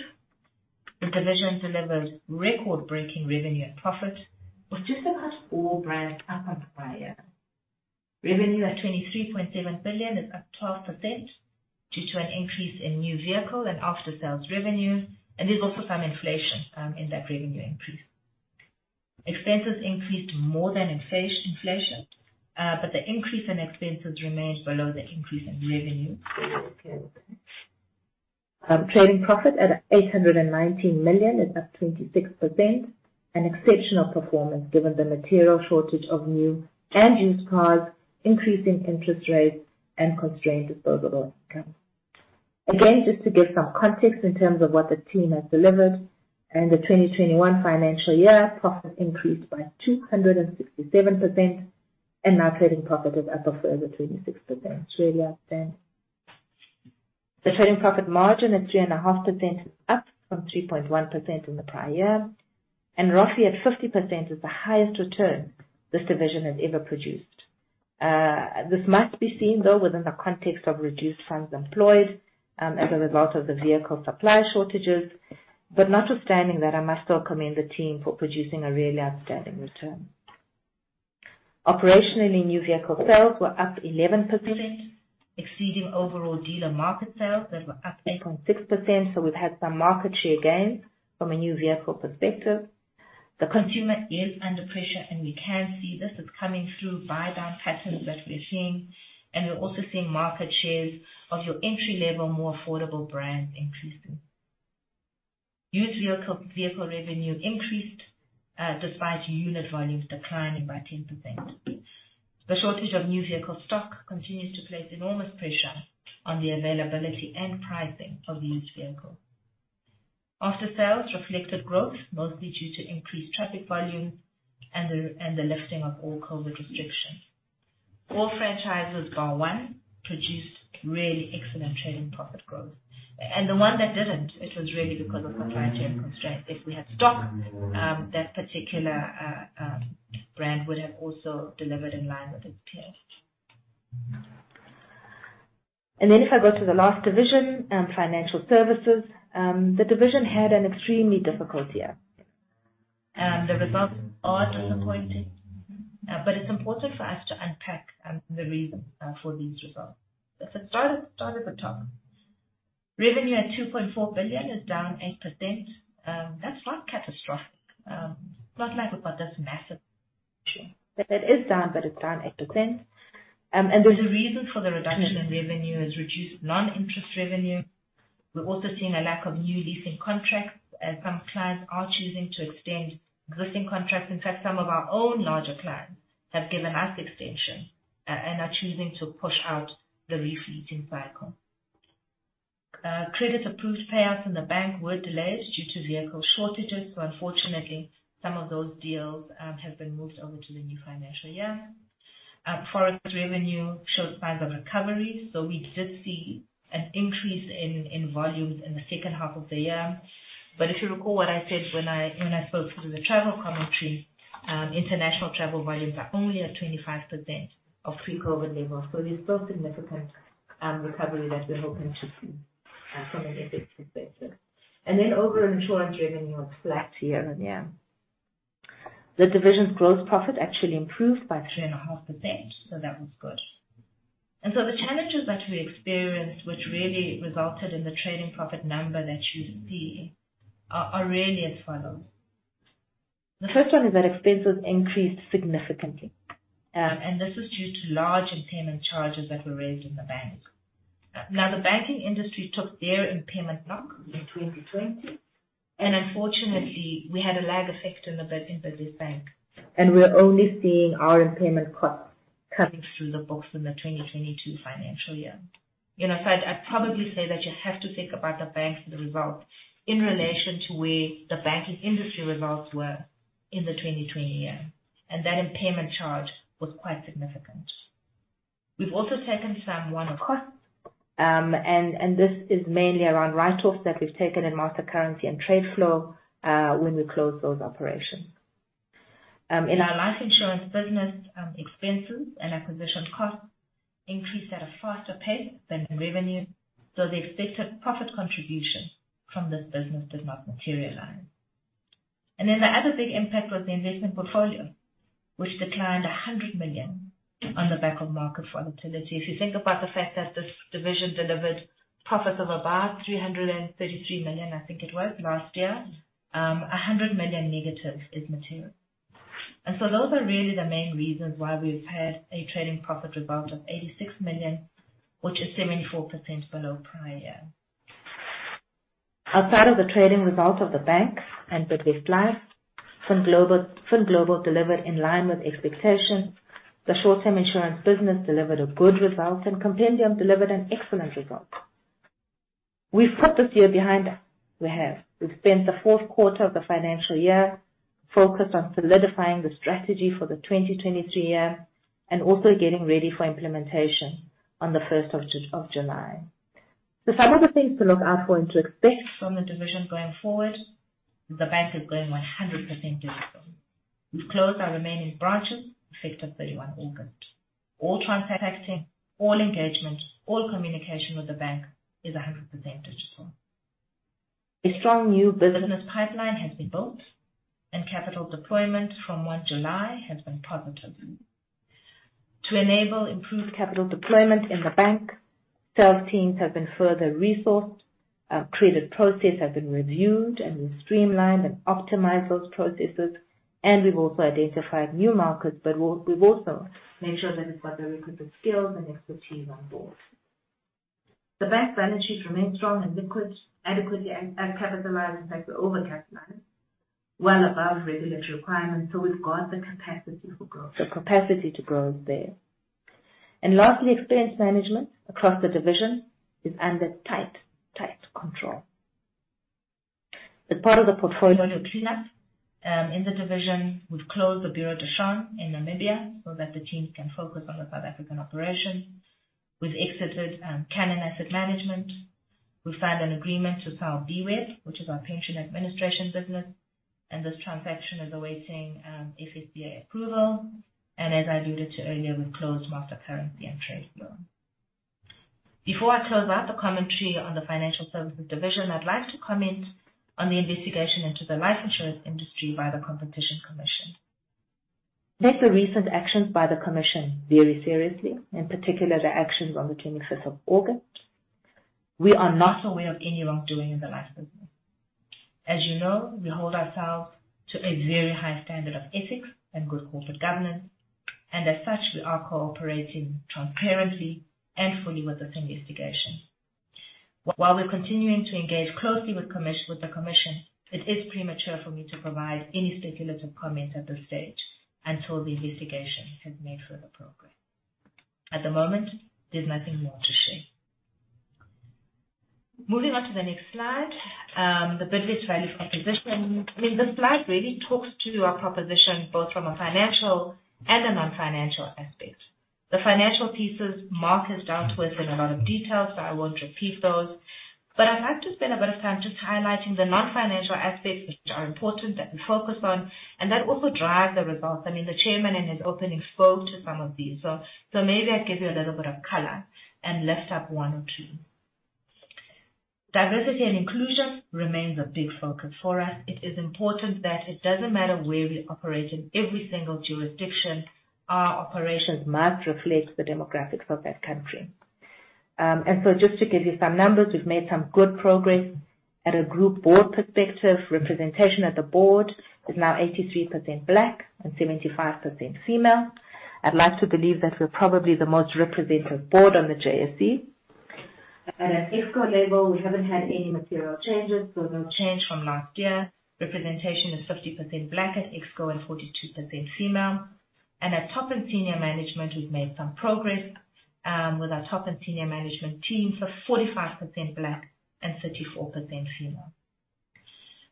The division delivered record-breaking revenue and profit, with just about all brands up on prior. Revenue at 23.7 billion is up 12% due to an increase in new vehicle and after-sales revenue, and there's also some inflation in that revenue increase. Expenses increased more than inflation, but the increase in expenses remains below the increase in revenue. Trading profit at 819 million is up 26%. An exceptional performance given the material shortage of new and used cars, increasing interest rates and constrained disposable income. Again, just to give some context in terms of what the team has delivered. In the 2021 financial year, profit increased by 267%, and now trading profit is up a further 26%. Really outstanding. The trading profit margin is 3.5%, up from 3.1% in the prior year. Roughly at 50% is the highest return this division has ever produced. This must be seen, though within the context of reduced funds employed, as a result of the vehicle supply shortages. Notwithstanding that, I must still commend the team for producing a really outstanding return. Operationally, new vehicle sales were up 11%, exceeding overall dealer market sales that were up 8.6%. We've had some market share gains from a new vehicle perspective. The consumer is under pressure, and we can see this. It's coming through buy-down patterns that we're seeing, and we're also seeing market shares of your entry-level, more affordable brands increasing. Used vehicle revenue increased despite unit volumes declining by 10%. The shortage of new vehicle stock continues to place enormous pressure on the availability and pricing of the used vehicle. After-sales reflected growth, mostly due to increased traffic volume and the lifting of all COVID restrictions. All franchises, bar one, produced really excellent trading profit growth. The one that didn't, it was really because of supply chain constraints. If we had stock, that particular brand would have also delivered in line with its peers. If I go to the last division, financial services, the division had an extremely difficult year. The results are disappointing, but it's important for us to unpack the reason for these results. Let's start at the top. Revenue at 2.4 billion is down 8%. That's not catastrophic. It's not like we've got this massive issue, but it is down 8%. There's a reason for the reduction in revenue is reduced non-interest revenue. We're also seeing a lack of new leasing contracts as some clients are choosing to extend existing contracts. In fact, some of our own larger clients have given us extensions and are choosing to push out the leasing cycle. Credit approved payouts in the bank were delayed due to vehicle shortages, so unfortunately, some of those deals have been moved over to the new financial year. Forex revenue showed signs of recovery, so we did see an increase in volumes in the second half of the year. If you recall what I said when I spoke to the travel commentary, international travel volumes are only at 25% of pre-COVID levels. There's still significant recovery that we're hoping to see from an FX perspective. Overall insurance revenue was flat year-over-year. The division's growth profit actually improved by 3.5%, so that was good. The challenges that we experienced, which really resulted in the trading profit number that you see, are really as follows. The first one is that expenses increased significantly, and this is due to large impairment charges that were raised in the bank. Now, the banking industry took their impairment knock in 2020, and unfortunately, we had a lag effect in Bidvest Bank. We're only seeing our impairment cost coming through the books in the 2022 financial year. You know, I'd probably say that you have to think about the bank's result in relation to where the banking industry results were in the 2020 year, and that impairment charge was quite significant. We've also taken some one-off costs, and this is mainly around write-offs that we've taken in Multi-currency and Tradeflow, when we closed those operations. In our life insurance business, expenses and acquisition costs increased at a faster pace than revenue, so the expected profit contribution from this business did not materialize. Then the other big impact was the investment portfolio, which declined 100 million on the back of market volatility. If you think about the fact that this division delivered profits of about 333 million, I think it was last year, 100 million negative is material. Those are really the main reasons why we've had a trading profit result of 86 million, which is 74% below prior year. Outside of the trading results of the bank and Bidvest Life, FinGlobal delivered in line with expectations. The short-term insurance business delivered a good result, and Compendium delivered an excellent result. We've put this year behind us. We have. We've spent the fourth quarter of the financial year focused on solidifying the strategy for the 2023 year and also getting ready for implementation on the first of July. Some of the things to look out for and to expect from the division going forward, the bank is going 100% digital. We've closed our remaining branches effective 31 August. All transacting, all engagements, all communication with the bank is 100% digital. A strong new business pipeline has been built and capital deployment from 1 July has been positive. To enable improved capital deployment in the bank, sales teams have been further resourced, our credit process has been reviewed and we've streamlined and optimized those processes, and we've also identified new markets, we've also made sure that it's got the requisite skills and expertise on board. The bank's balance sheets remain strong and liquid, adequately capitalized. In fact, we're overcapitalized well above regulatory requirements, so we've got the capacity for growth. The capacity to grow is there. Lastly, expense management across the division is under tight control. As part of the portfolio cleanup in the division, we've closed the Bureau de Change in Namibia so that the team can focus on the South African operations. We've exited Cannon Asset Management. We've signed an agreement to sell dWeb, which is our pension administration business. This transaction is awaiting FSCA approval. As I alluded to earlier, we've closed Master Currency and Tradeflow. Before I close out the commentary on the financial services division, I'd like to comment on the investigation into the life insurance industry by the Competition Commission. Take the recent actions by the commission very seriously, in particular, the actions of the tenth day of August. We are not aware of any wrongdoing in the life business. As you know, we hold ourselves to a very high standard of ethics and good corporate governance, and as such, we are cooperating transparently and fully with this investigation. While we're continuing to engage closely with the commission, it is premature for me to provide any speculative comment at this stage until the investigation has made further progress. At the moment, there's nothing more to say. Moving on to the next slide. The Bidvest value proposition. I mean, this slide really talks to our proposition both from a financial and a non-financial aspect. The financial pieces, Mark has dealt with in a lot of detail, so I won't repeat those. I'd like to spend a bit of time just highlighting the non-financial aspects which are important that we focus on and that also drive the results. I mean, the chairman in his opening spoke to some of these. Maybe I'll give you a little bit of color and lift up one or two. Diversity and inclusion remains a big focus for us. It is important that it doesn't matter where we operate. In every single jurisdiction, our operations must reflect the demographics of that country. Just to give you some numbers, we've made some good progress. At a group board perspective, representation at the board is now 83% Black and 75% female. I'd like to believe that we're probably the most representative board on the JSE. At Exco level, we haven't had any material changes. No change from last year. Representation is 50% Black at Exco and 42% female. At top and senior management, we've made some progress with our top and senior management team, so 45% Black and 34% female.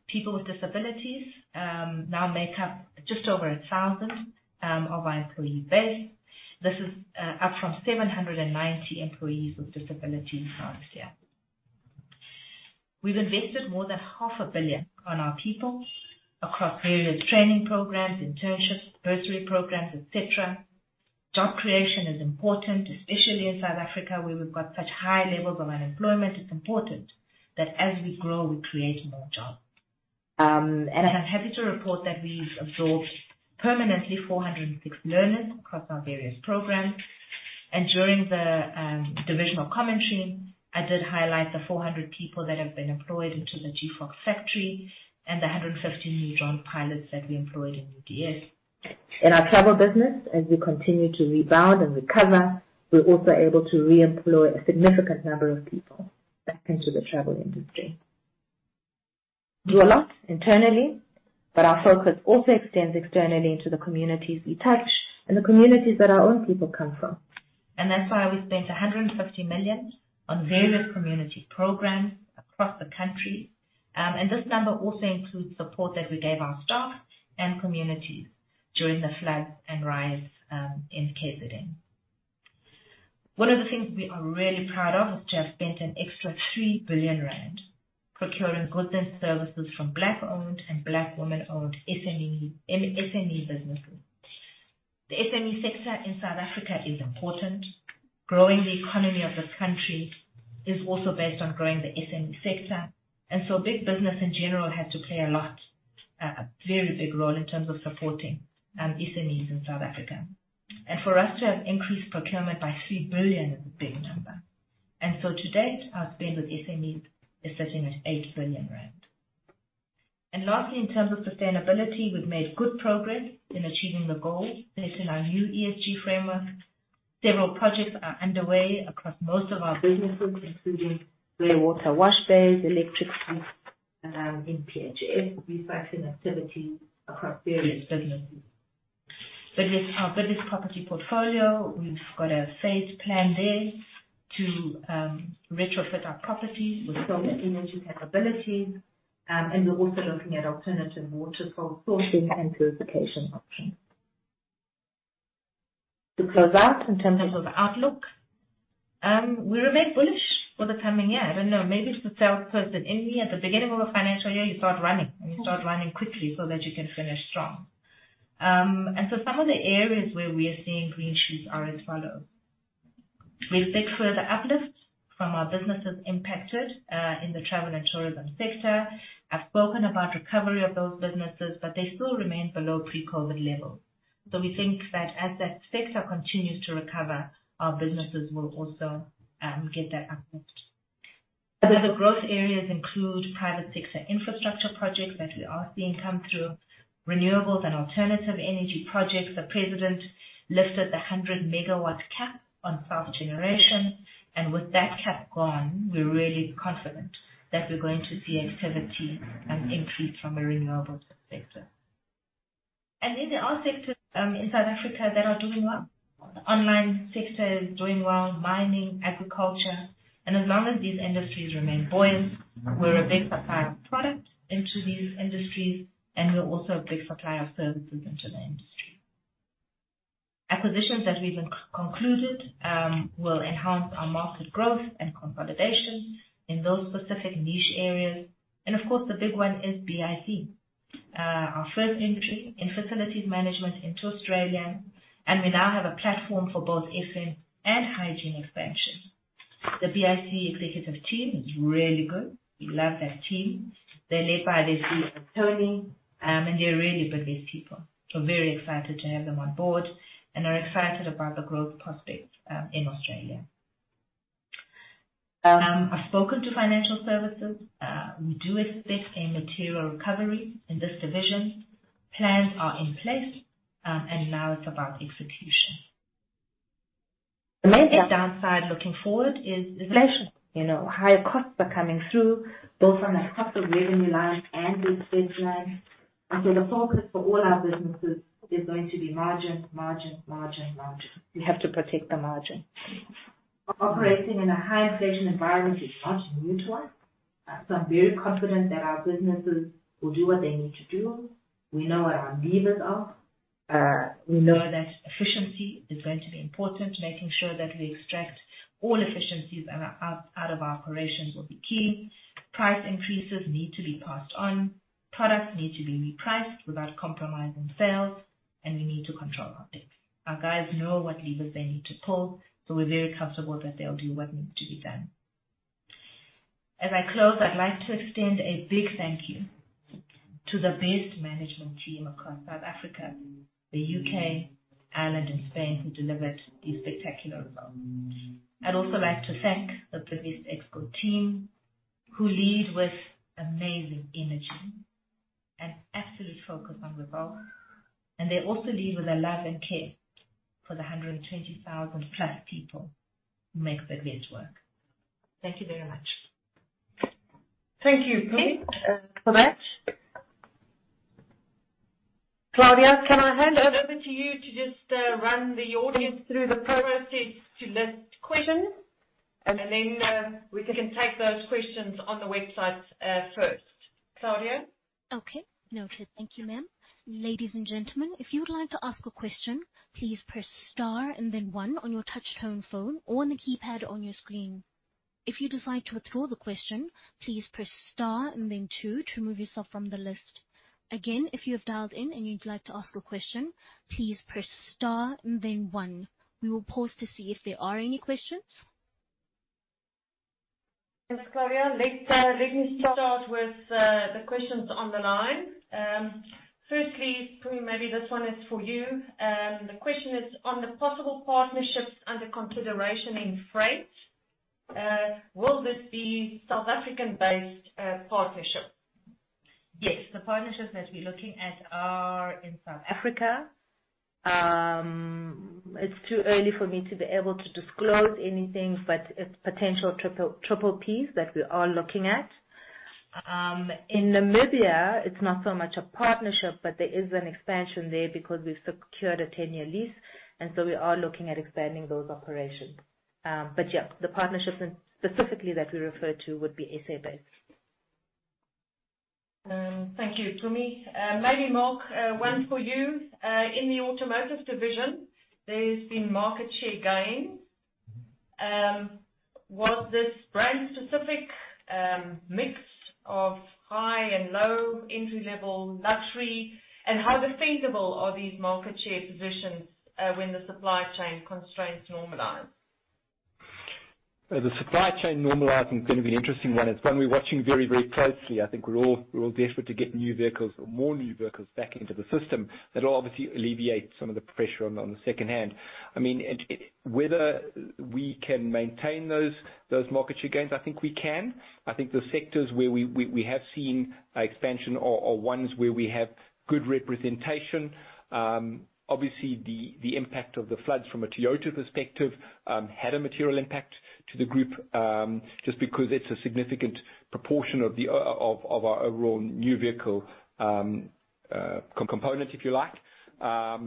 People with disabilities now make up just over 1,000 of our employee base. This is up from 790 employees with disabilities last year. We've invested more than ZAR half a billion on our people across various training programs, internships, bursary programs, et cetera. Job creation is important, especially in South Africa, where we've got such high levels of unemployment. It's important that as we grow, we create more jobs. I'm happy to report that we've absorbed permanently 406 learners across our various programs. During the divisional commentary, I did highlight the 400 people that have been employed into the G4 factory and the 115 new drone pilots that we employed in UDS. In our travel business, as we continue to rebound and recover, we're also able to reemploy a significant number of people back into the travel industry. We do a lot internally, but our focus also extends externally to the communities we touch and the communities that our own people come from. That's why we spent 150 million on various community programs across the country. This number also includes support that we gave our staff and communities during the floods and riots in KZN. One of the things we are really proud of is to have spent an extra 3 billion rand procuring goods and services from Black-owned and Black women-owned SME businesses. The SME sector in South Africa is important. Growing the economy of this country is also based on growing the SME sector. Big business in general had to play a lot, a very big role in terms of supporting SMEs in South Africa. For us to have increased procurement by 3 billion is a big number. To date, our spend with SMEs is sitting at 8 billion rand. Lastly, in terms of sustainability, we've made good progress in achieving the goal set in our new ESG framework. Several projects are underway across most of our businesses, including grey water wash bays, electric in PHS, recycling activity across various businesses. With our Business Property portfolio, we've got a phased plan there to, retrofit our properties with solar energy capabilities, and we're also looking at alternative water sourcing and purification options. To close out in terms of outlook, we remain bullish for the coming year. I don't know, maybe it's the salesperson in me. At the beginning of a financial year, you start running, and you start running quickly so that you can finish strong. Some of the areas where we are seeing green shoots are as follows. We expect further uplifts from our businesses impacted, in the travel and tourism sector. I've spoken about recovery of those businesses, but they still remain below pre-COVID levels. We think that as that sector continues to recover, our businesses will also, get that uplift. Other growth areas include private sector infrastructure projects that we are seeing come through, renewables and alternative energy projects. The president lifted the 100 MW cap on self-generation, and with that cap gone, we're really confident that we're going to see activity increase from the renewables sector. There are sectors in South Africa that are doing well. Online sector is doing well, mining, agriculture, and as long as these industries remain buoyant, we're a big supplier of product into these industries, and we're also a big supplier of services into the industry. Acquisitions that we've concluded will enhance our market growth and consolidation in those specific niche areas. Of course, the big one is BIC, our first entry in facilities management into Australia, and we now have a platform for both FM and hygiene expansion. The BIC executive team is really good. We love that team. They're led by their CEO, Tony, and they're really good, these people. Very excited to have them on board and are excited about the growth prospects in Australia. I've spoken to financial services. We do expect a material recovery in this division. Plans are in place, and now it's about execution. The major downside looking forward is inflation. You know, higher costs are coming through both on our cost of revenue lines and fixed lines. The focus for all our businesses is going to be margin, margin. We have to protect the margin. Operating in a high inflation environment is not new to us, so I'm very confident that our businesses will do what they need to do. We know what our levers are. We know that efficiency is going to be important. Making sure that we extract all efficiencies out of our operations will be key. Price increases need to be passed on. Products need to be repriced without compromising sales, and we need to control our costs. Our guys know what levers they need to pull, so we're very comfortable that they'll do what needs to be done. As I close, I'd like to extend a big thank you to the best management team across South Africa, the U.K., Ireland and Spain, who delivered these spectacular results. I'd also like to thank the Bidvest Exco team who lead with amazing energy and absolute focus on the goal, and they also lead with a love and care for the 120,000+ people who make Bidvest work. Thank you very much. Thank you, Mpumi, for that. Claudia, can I hand it over to you to just run the audience through the process to list questions, and then we can take those questions on the website first. Claudia? Okay. Noted. Thank you, ma'am. Ladies and gentlemen, if you would like to ask a question, please press star and then one on your touchtone phone or on the keypad on your screen. If you decide to withdraw the question, please press star and then two to remove yourself from the list. Again, if you have dialed in and you'd like to ask a question, please press star and then one. We will pause to see if there are any questions. Thanks, Claudia. Let me start with the questions on the line. Firstly, Mpumi, maybe this one is for you. The question is on the possible partnerships under consideration in Freight. Will this be South African-based partnership? Yes. The partnerships that we're looking at are in South Africa. It's too early for me to be able to disclose anything, but it's potential PPPs that we are looking at. In Namibia, it's not so much a partnership, but there is an expansion there because we've secured a 10-year lease, and so we are looking at expanding those operations. Yeah, the partnerships specifically that we refer to would be SA based. Thank you, Mpumi. Maybe Mark, one for you. In the Automotive division, there's been market share gains. Was this brand specific mix of high and low entry level luxury, and how defensible are these market share positions, when the supply chain constraints normalize? The supply chain normalizing is gonna be an interesting one. It's one we're watching very, very closely. I think we're all desperate to get new vehicles or more new vehicles back into the system. That will obviously alleviate some of the pressure on the second-hand. I mean, whether we can maintain those market share gains, I think we can. I think the sectors where we have seen expansion are ones where we have good representation. Obviously the impact of the floods from a Toyota perspective had a material impact to the group just because it's a significant proportion of our overall new vehicle component, if you like. I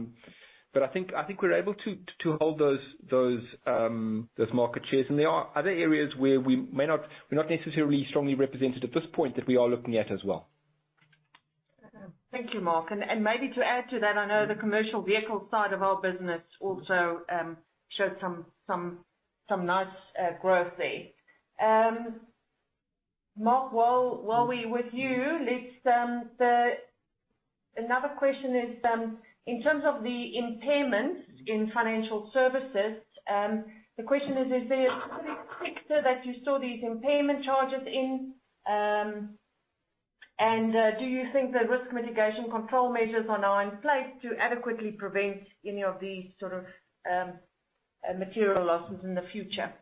think we're able to hold those market shares. There are other areas where we may not. We're not necessarily strongly represented at this point that we are looking at as well. Thank you, Mark. Maybe to add to that, I know the commercial vehicle side of our business also showed some nice growth there. Mark, while we're with you. Another question is, in terms of the impairments in financial services, the question is there a specific sector that you saw these impairment charges in? Do you think the risk mitigation control measures are now in place to adequately prevent any of these sort of material losses in the future?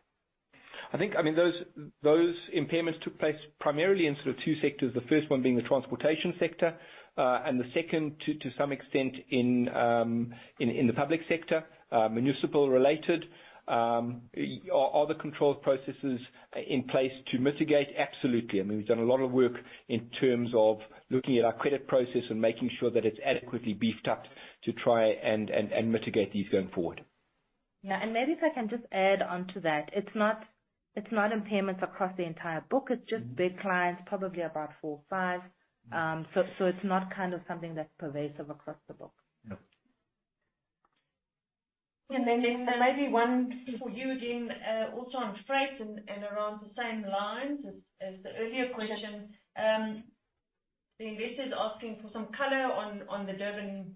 I think, I mean, those impairments took place primarily in sort of two sectors, the first one being the transportation sector, and the second, to some extent, in the public sector, municipal related. Are the control processes in place to mitigate? Absolutely. I mean, we've done a lot of work in terms of looking at our credit process and making sure that it's adequately beefed up to try and mitigate these going forward. Yeah. Maybe if I can just add on to that. It's not impairments across the entire book. It's just big clients, probably about four or five. It's not kind of something that's pervasive across the book. No. Then maybe one for you, again, also on freight and around the same lines as the earlier question. The investor's asking for some color on the Durban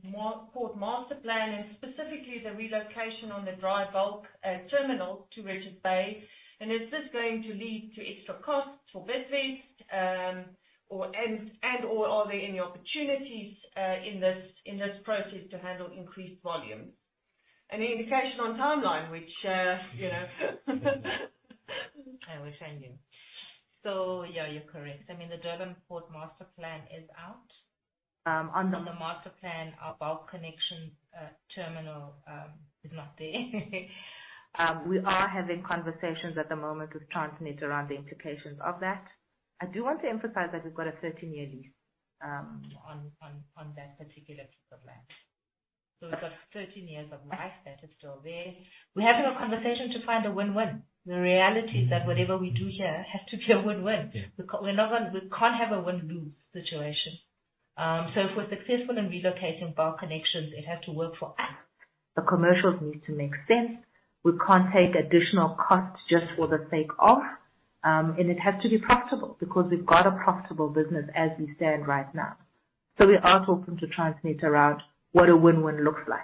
Port Master Plan, and specifically the relocation of the dry bulk terminal to Richards Bay. Is this going to lead to extra costs for Bidvest, or and/or are there any opportunities in this process to handle increased volume? Any indication on timeline, which you know, I will send you. Yeah, you're correct. I mean, the Durban Port Master Plan is out. On the master plan, our Bulk Connections terminal is not there. We are having conversations at the moment with Transnet around the implications of that. I do want to emphasize that we've got a 13-year lease on that particular piece of land. We've got 13 years of life that is still there. We're having a conversation to find a win-win. The reality is that whatever we do here has to be a win-win. Yeah. We can't have a win-lose situation. If we're successful in relocating Bulk Connections, it has to work for us. The commercials needs to make sense. We can't take additional costs just for the sake of, and it has to be profitable because we've got a profitable business as we stand right now. We are talking to Transnet around what a win-win looks like.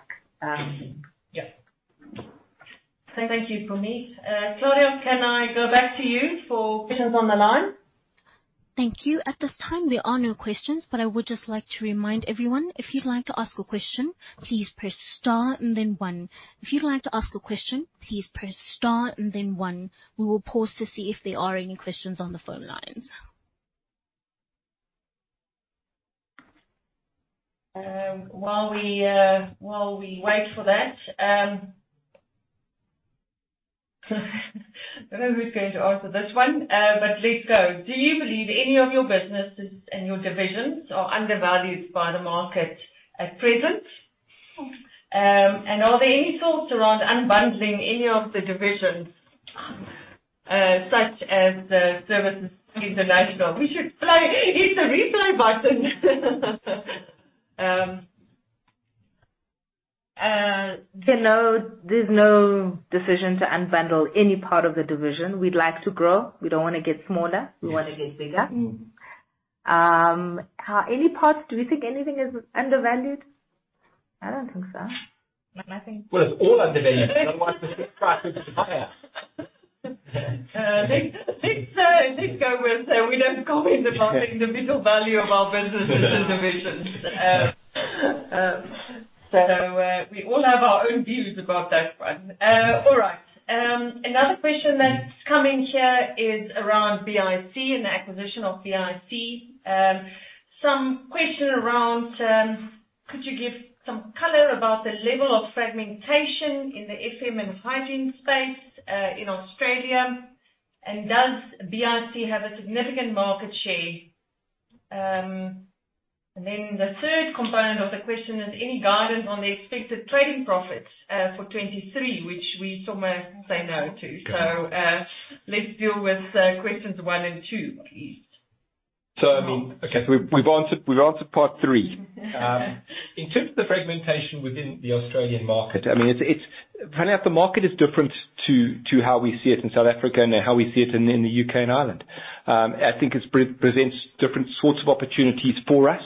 Yeah. Thank you, Mpumi. Claudia, can I go back to you for questions on the line? Thank you. At this time, there are no questions, but I would just like to remind everyone, if you'd like to ask a question, please press star and then one. We will pause to see if there are any questions on the phone lines. While we wait for that, I don't know who's going to answer this one, but let's go. Do you believe any of your businesses and your divisions are undervalued by the market at present? Are there any thoughts around unbundling any of the divisions, such as the Services International? We should play. It's a replay button. There's no decision to unbundle any part of the division. We'd like to grow. We don't wanna get smaller. Yeah. We wanna get bigger. Do we think anything is undervalued? I don't think so. Like, nothing. Well, it's all undervalued. Otherwise, we'd just try to buy it. I think we don't comment about the individual value of our businesses and divisions. We all have our own views about that one. All right. Another question that's coming here is around BIC and the acquisition of BIC. Some question around, could you give some color about the level of fragmentation in the FM and hygiene space, in Australia, and does BIC have a significant market share? Then the third component of the question is any guidance on the expected trading profits, for 2023, which we somehow say no to. Yeah. Let's deal with questions one and two please. I mean, okay, we've answered part three. In terms of the fragmentation within the Australian market, I mean, it's finding out the market is different to how we see it in South Africa and how we see it in the UK and Ireland. I think it presents different sorts of opportunities for us.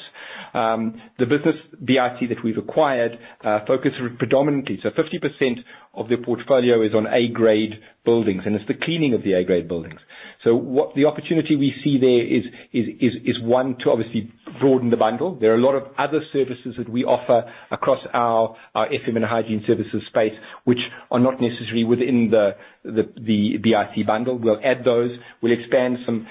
The business, BIC, that we've acquired, focus predominantly. 50% of their portfolio is on A-grade buildings, and it's the cleaning of the A-grade buildings. What the opportunity we see there is one, to obviously broaden the bundle. There are a lot of other services that we offer across our FM and hygiene services space, which are not necessarily within the BIC bundle. We'll add those. We'll expand some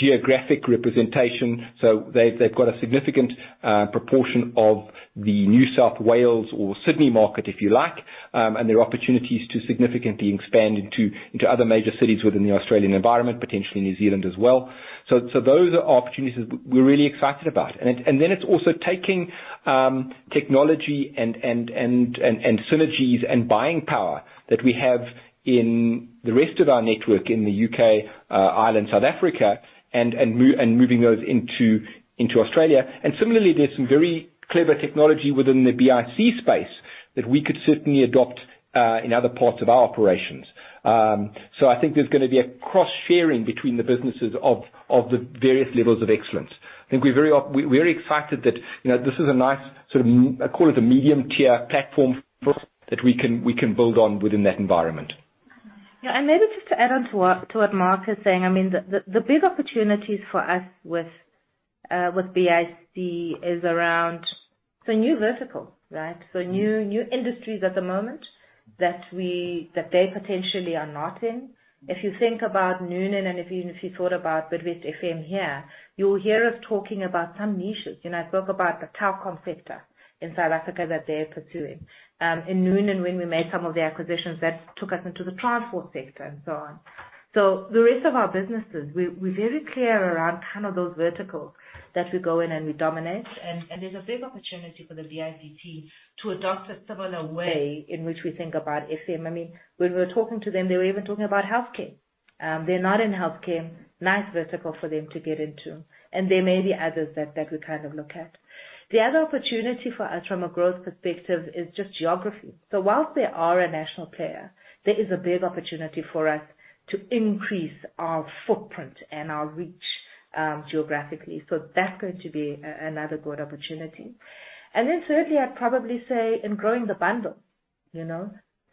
geographic representation. They've got a significant proportion of the New South Wales or Sydney market, if you like, and there are opportunities to significantly expand into other major cities within the Australian environment, potentially New Zealand as well. Those are opportunities that we're really excited about. Then it's also taking technology and synergies and buying power that we have in the rest of our network in the UK, Ireland, South Africa, and moving those into Australia. Similarly, there's some very clever technology within the BIC space that we could certainly adopt in other parts of our operations. I think there's gonna be a cross-sharing between the businesses of the various levels of excellence. We're very excited that, you know, this is a nice sort of, I call it, a medium-tier platform that we can build on within that environment. Yeah. Maybe just to add on to what Mark is saying. I mean, the big opportunities for us with BIC is around the new vertical, right? So new industries at the moment that they potentially are not in. If you think about Noonan and if you thought about Bidvest FM here, you'll hear us talking about some niches. You know, I spoke about the telecom sector in South Africa that they're pursuing. In Noonan, when we made some of the acquisitions that took us into the transport sector and so on. The rest of our businesses, we're very clear around kind of those verticals that we go in and we dominate. There's a big opportunity for the BIC to adopt a similar way in which we think about FM. I mean, when we're talking to them, they were even talking about healthcare. They're not in healthcare. Nice vertical for them to get into. There may be others that we kind of look at. The other opportunity for us from a growth perspective is just geography. Whilst they are a national player, there is a big opportunity for us to increase our footprint and our reach, geographically. That's going to be another good opportunity. Then certainly I'd probably say in growing the bundle, you know.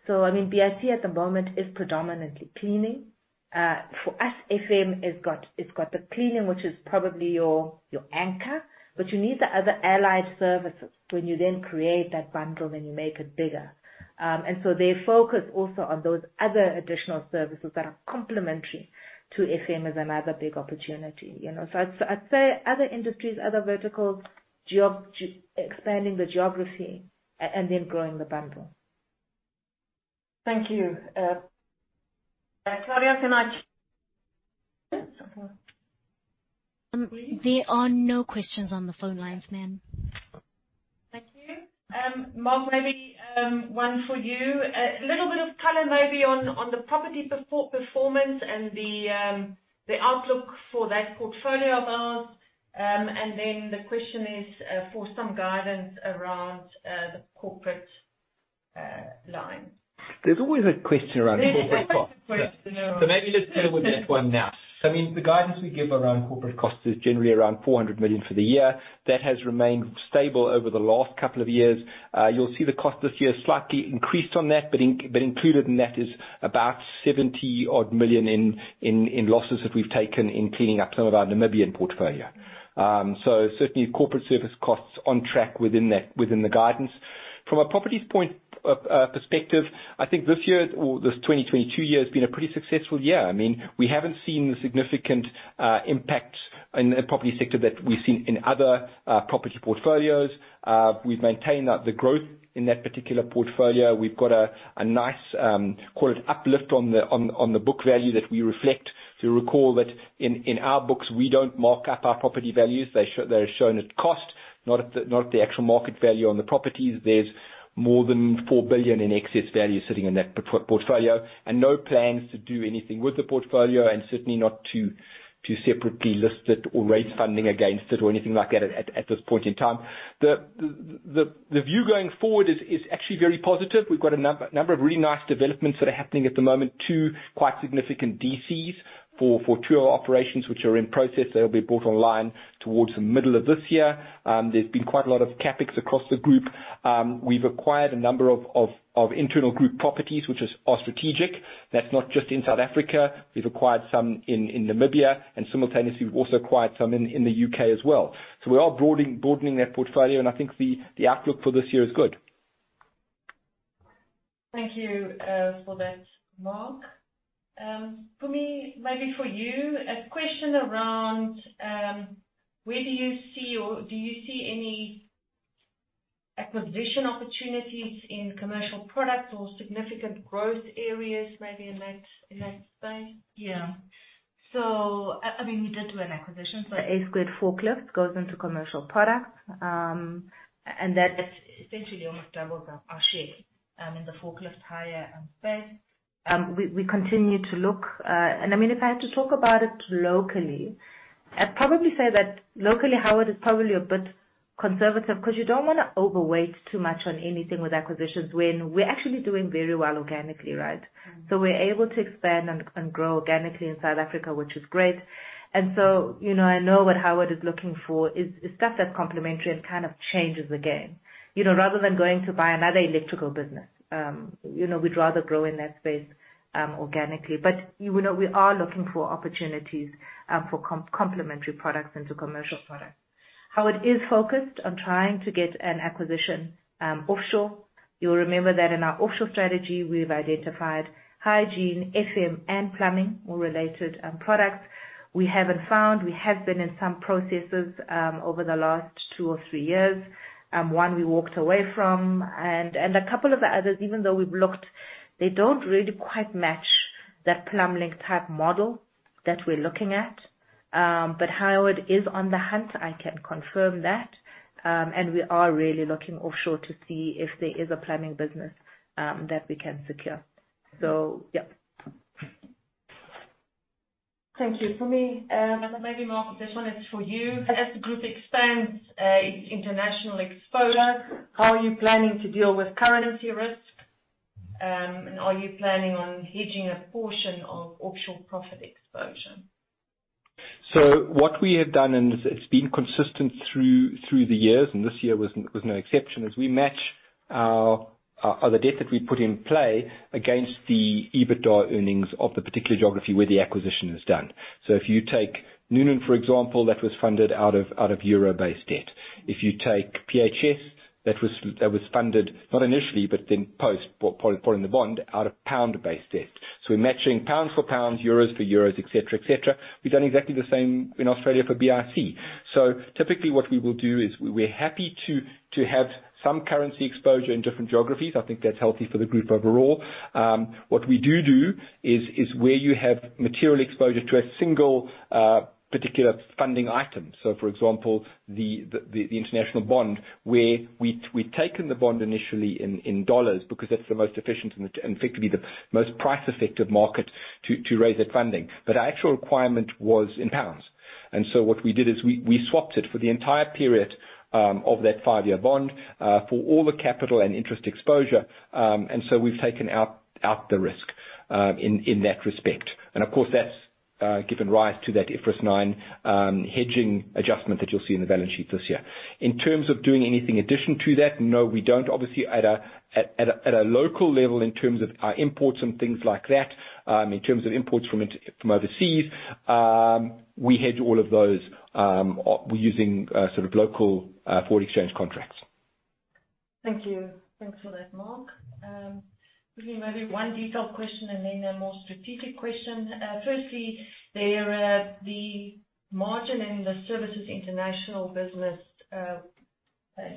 I mean, BIC at the moment is predominantly cleaning. For us, FM has got, it's got the cleaning, which is probably your anchor. But you need the other allied services when you then create that bundle, then you make it bigger. They focus also on those other additional services that are complementary to FM as another big opportunity, you know. I'd say other industries, other verticals, expanding the geography and then growing the bundle. Thank you. Claudia, can I There are no questions on the phone lines, ma'am. Thank you. Mark, maybe one for you. A little bit of color maybe on the property performance and the outlook for that portfolio of ours. Then the question is for some guidance around the corporate line. There's always a question around corporate costs. There's always a question around. Maybe let's deal with that one now. I mean, the guidance we give around corporate costs is generally around 400 million for the year. That has remained stable over the last couple of years. You'll see the cost this year slightly increased on that, but included in that is about 70-odd million in losses that we've taken in cleaning up some of our Namibian portfolio. Certainly corporate service costs on track within that, within the guidance. From a properties point of perspective, I think this year or this 2022 year has been a pretty successful year. I mean, we haven't seen the significant impact in the property sector that we've seen in other property portfolios. We've maintained the growth in that particular portfolio. We've got a nice, call it uplift on the book value that we reflect. If you recall that in our books, we don't mark up our property values. They're shown at cost, not at the actual market value on the properties. There's more than 4 billion in excess value sitting in that portfolio, and no plans to do anything with the portfolio, and certainly not to separately list it or raise funding against it or anything like that at this point in time. The view going forward is actually very positive. We've got a number of really nice developments that are happening at the moment. Two quite significant DCs for two of our operations which are in process. They'll be brought online towards the middle of this year. There's been quite a lot of CapEx across the group. We've acquired a number of internal group properties, which is our strategic. That's not just in South Africa. We've acquired some in Namibia, and simultaneously, we've also acquired some in the UK as well. We are broadening that portfolio, and I think the outlook for this year is good. Thank you for that, Mark. Mpumi, maybe for you, a question around where do you see or do you see any acquisition opportunities in commercial products or significant growth areas, maybe in that space? I mean, we did do an acquisition. A-Squared Forklifts goes into Commercial Products, and that essentially almost doubles our share in the forklift hire space. We continue to look. I mean, if I had to talk about it locally, I'd probably say that locally, Howard is probably a bit conservative because you don't wanna overweight too much on anything with acquisitions when we're actually doing very well organically, right? We're able to expand and grow organically in South Africa, which is great. You know, I know what Howard is looking for is stuff that's complementary and kind of changes the game. You know, rather than going to buy another electrical business, you know, we'd rather grow in that space organically. You know, we are looking for opportunities, for complementary products into commercial products. Howard is focused on trying to get an acquisition, offshore. You'll remember that in our offshore strategy, we've identified hygiene, FM, and plumbing, all related, products. We haven't found. We have been in some processes, over the last two or three years. One we walked away from. A couple of the others, even though we've looked, they don't really quite match that Plumblink type model that we're looking at. Howard is on the hunt, I can confirm that, and we are really looking offshore to see if there is a plumbing business, that we can secure. Yeah. Thank you. For me, and maybe Mark, this one is for you. As the group expands, its international exposure, how are you planning to deal with currency risk, and are you planning on hedging a portion of offshore profit exposure? What we have done, and it's been consistent through the years, and this year was no exception, is we match our debt that we put in play against the EBITDA earnings of the particular geography where the acquisition is done. If you take Noonan, for example, that was funded out of euro-based debt. If you take PHS, that was funded, not initially, but then post pulling the bond out of pound-based debt. We're matching pounds for pounds, euros for euros, et cetera, et cetera. We've done exactly the same in Australia for BIC. Typically what we will do is we're happy to have some currency exposure in different geographies. I think that's healthy for the group overall. What we do is where you have material exposure to a single particular funding item, so for example, the international bond, where we'd taken the bond initially in U.S. dollars because that's the most efficient and effectively the most price effective market to raise that funding. Our actual requirement was in pounds. What we did is we swapped it for the entire period of that five-year bond for all the capital and interest exposure. We've taken out the risk in that respect. Of course, that's given rise to that IFRS 9 hedging adjustment that you'll see in the balance sheet this year. In terms of doing anything additional to that, no, we don't. Obviously at a local level in terms of our imports and things like that, in terms of imports from overseas, we hedge all of those using sort of local foreign exchange contracts. Thank you. Thanks for that, Mark. Maybe one detailed question and then a more strategic question. Firstly, the margin in the Services International business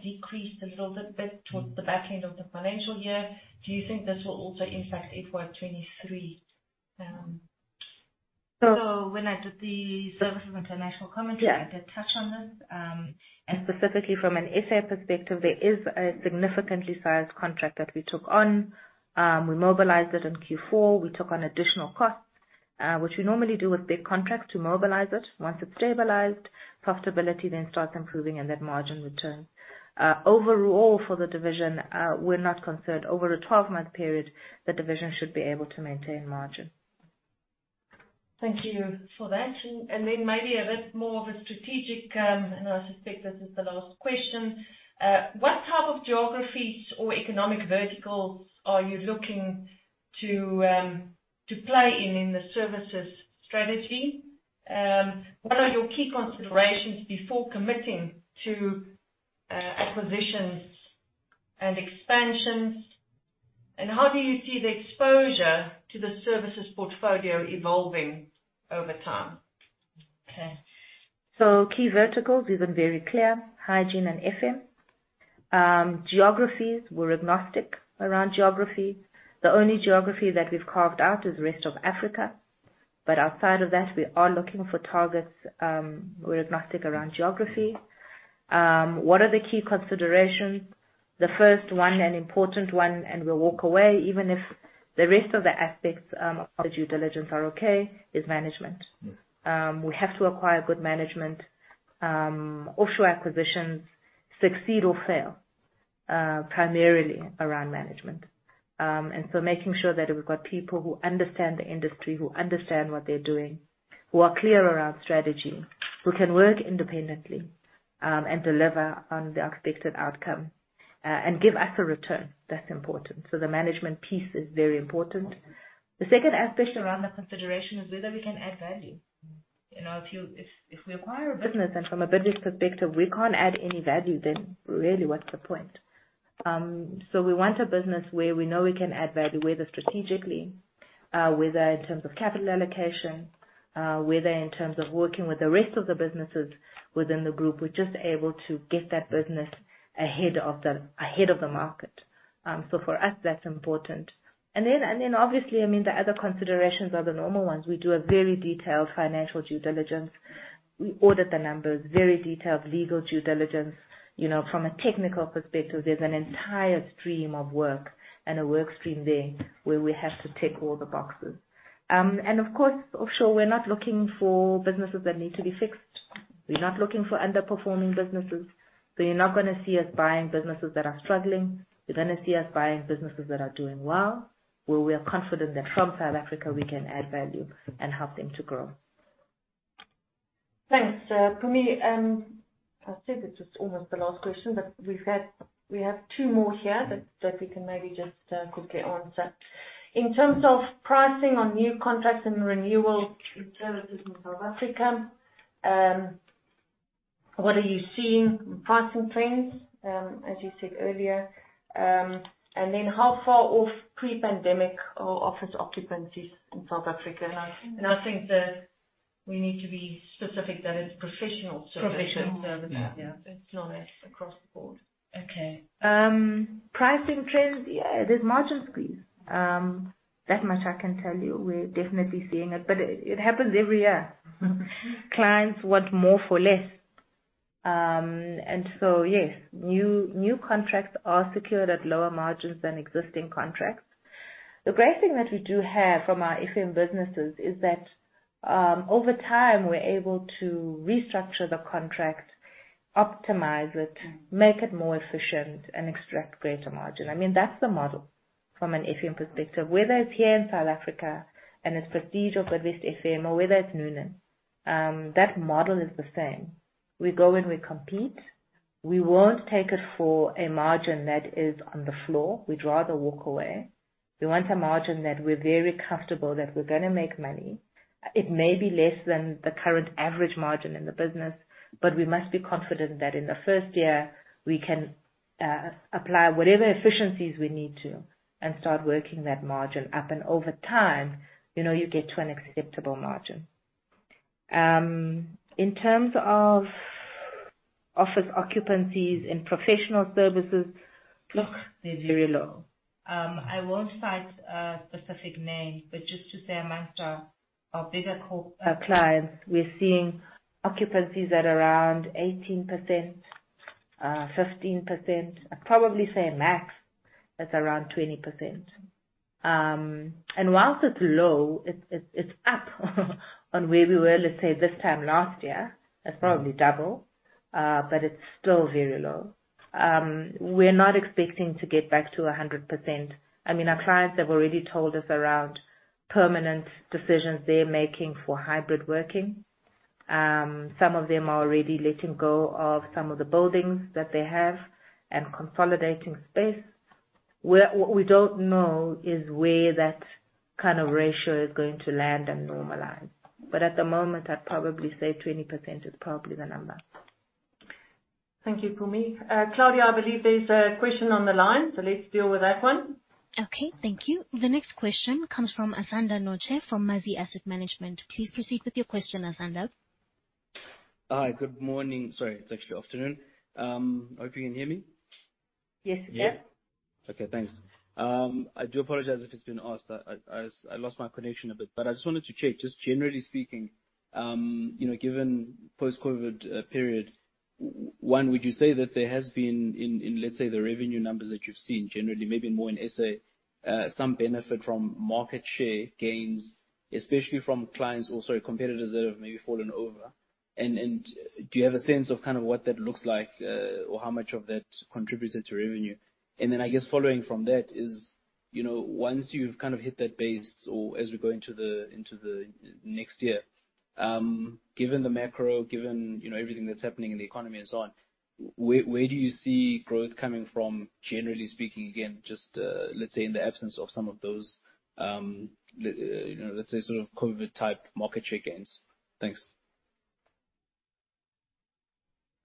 decreased a little bit towards the back end of the financial year. Do you think this will also impact FY 2023? When I did the Services International commentary. Yeah. I did touch on this. Specifically from an SA perspective, there is a significantly sized contract that we took on. We mobilized it in Q4. We took on additional costs, which we normally do with big contracts to mobilize it. Once it's stabilized, profitability then starts improving and that margin return. Overall for the division, we're not concerned. Over a twelve-month period, the division should be able to maintain margin. Thank you for that. Maybe a bit more of a strategic, and I suspect this is the last question. What type of geographies or economic verticals are you looking to play in in the services strategy? What are your key considerations before committing to acquisitions and expansions? How do you see the exposure to the services portfolio evolving over time? Okay. Key verticals, we've been very clear, hygiene and FM. Geographies, we're agnostic around geography. The only geography that we've carved out is rest of Africa. Outside of that, we are looking for targets, we're agnostic around geography. What are the key considerations? The first one, an important one, and we'll walk away even if the rest of the aspects of the due diligence are okay, is management. We have to acquire good management. Offshore acquisitions succeed or fail primarily around management. Making sure that we've got people who understand the industry, who understand what they're doing, who are clear around strategy, who can work independently and deliver on the expected outcome and give us a return, that's important. The management piece is very important. The second aspect around that consideration is whether we can add value. You know, if we acquire a business and from a budget perspective, we can't add any value, then really what's the point? So we want a business where we know we can add value, whether strategically, whether in terms of capital allocation, whether in terms of working with the rest of the businesses within the group, we're just able to get that business ahead of the market. So for us, that's important. Then obviously, I mean, the other considerations are the normal ones. We do a very detailed financial due diligence. We audit the numbers, very detailed legal due diligence. You know, from a technical perspective, there's an entire stream of work and a work stream there where we have to tick all the boxes. Of course, offshore, we're not looking for businesses that need to be fixed. We're not looking for underperforming businesses. You're not gonna see us buying businesses that are struggling. You're gonna see us buying businesses that are doing well, where we are confident that from South Africa we can add value and help them to grow. Thanks, Mpumi. I said this is almost the last question, but we have two more here that we can maybe just quickly answer. In terms of pricing on new contracts and renewal services in South Africa, what are you seeing in pricing trends, as you said earlier? How far off pre-pandemic are office occupancies in South Africa? I think that we need to be specific that it's professional services. Professional services. Yeah. It's not across the board. Okay. Pricing trends, yeah, there's margin squeeze. That much I can tell you. We're definitely seeing it, but it happens every year. Clients want more for less. Yes, new contracts are secured at lower margins than existing contracts. The great thing that we do have from our FM businesses is that, over time, we're able to restructure the contract, optimize it. Mm-hmm. Make it more efficient and extract greater margin. I mean, that's the model from an FM perspective. Whether it's here in South Africa and it's Prestige or Bidvest FM or whether it's Noonan, that model is the same. We go in, we compete. We won't take it for a margin that is on the floor. We'd rather walk away. We want a margin that we're very comfortable that we're gonna make money. It may be less than the current average margin in the business, but we must be confident that in the first year we can apply whatever efficiencies we need to and start working that margin up. Over time, you know, you get to an acceptable margin. In terms of office occupancies in professional services, look, they're very low. I won't cite a specific name, but just to say among our bigger clients, we're seeing occupancies at around 18%, 15%. I'd probably say max is around 20%. While it's low, it's up on where we were, let's say, this time last year. That's probably double, but it's still very low. We're not expecting to get back to 100%. I mean, our clients have already told us around permanent decisions they're making for hybrid working. Some of them are already letting go of some of the buildings that they have and consolidating space. What we don't know is where that kind of ratio is going to land and normalize. At the moment, I'd probably say 20% is probably the number. Thank you, Mpumi. Claudia, I believe there's a question on the line, so let's deal with that one. Okay, thank you. The next question comes from Asanda Notshe from Mazi Asset Management. Please proceed with your question, Asanda. Hi, good morning. Sorry, it's actually afternoon. I hope you can hear me. Yes. Yeah. Okay, thanks. I do apologize if it's been asked. I lost my connection a bit. I just wanted to check, just generally speaking, you know, given post-COVID period, one, would you say that there has been in, let's say, the revenue numbers that you've seen generally, maybe more in SA, some benefit from market share gains, especially from clients or, sorry, competitors that have maybe fallen over? Do you have a sense of kind of what that looks like, or how much of that contributed to revenue? I guess following from that is, you know, once you've kind of hit that base or as we go into the next year, given the macro, you know, everything that's happening in the economy and so on, where do you see growth coming from, generally speaking, again, just, let's say in the absence of some of those, you know, let's say sort of COVID-type market share gains? Thanks.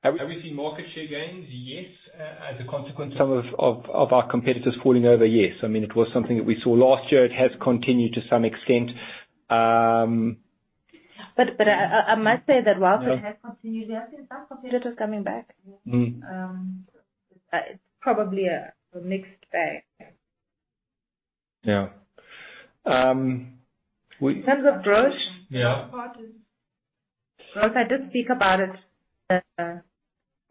Have we seen market share gains? Yes. As a consequence, some of our competitors falling over, yes. I mean, it was something that we saw last year. It has continued to some extent. I must say that while Yeah. It has continued, we have seen some competitors coming back. Mm-hmm. It's probably a mixed bag. Yeah. In terms of growth. Yeah. Important. Well, look, I did speak about it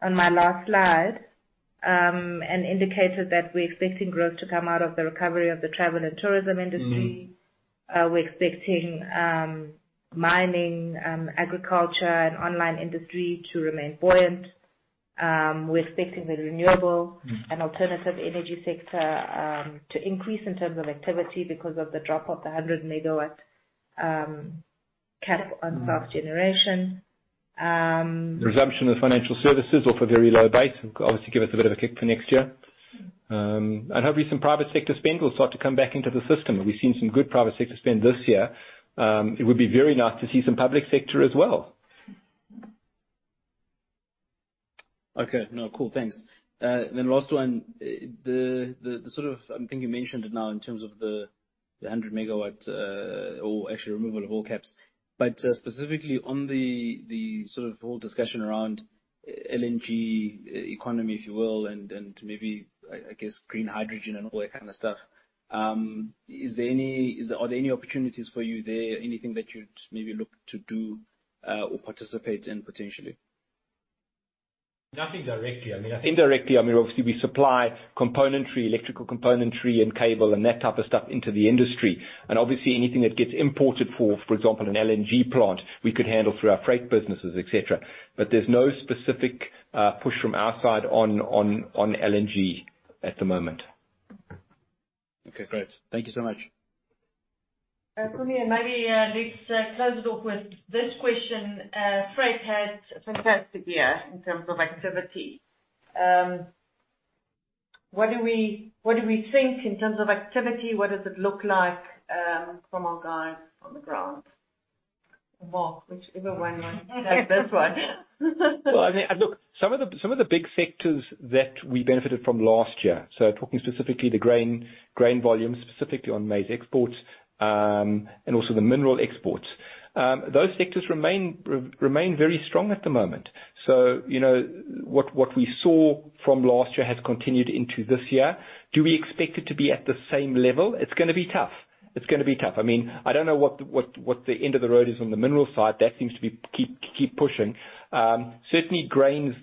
on my last slide and indicated that we're expecting growth to come out of the recovery of the travel and tourism industry. Mm-hmm. We're expecting mining, agriculture and online industry to remain buoyant. We're expecting the renewable Mm-hmm. Alternative energy sector to increase in terms of activity because of the drop of the 100 MW cap on self-generation. Resumption of financial services off a very low base obviously give us a bit of a kick for next year. Hopefully some private sector spend will start to come back into the system. We've seen some good private sector spend this year. It would be very nice to see some public sector as well. Okay. No, cool. Thanks. Last one. The sort of... I think you mentioned it now in terms of the 100 MW, or actually removal of all caps, but specifically on the sort of whole discussion around LNG economy, if you will, and maybe, I guess, green hydrogen and all that kind of stuff, is there any? Are there any opportunities for you there? Anything that you'd maybe look to do, or participate in potentially? Nothing directly. I mean, indirectly, I mean, obviously we supply componentry, electrical componentry and cable and that type of stuff into the industry. Obviously anything that gets imported for example, an LNG plant, we could handle through our freight businesses, et cetera. There's no specific push from our side on LNG at the moment. Okay, great. Thank you so much. Mpumi, and maybe let's close it off with this question. Freight had a fantastic year in terms of activity. What do we think in terms of activity? What does it look like from our guys on the ground? Mark, whichever one wants to take this one. I mean, look, some of the big sectors that we benefited from last year, so talking specifically grain volumes, specifically on maize exports, and also the mineral exports. Those sectors remain very strong at the moment. You know, what we saw from last year has continued into this year. Do we expect it to be at the same level? It's gonna be tough. I mean, I don't know what the end of the road is on the mineral side. That seems to be keep pushing. Certainly grains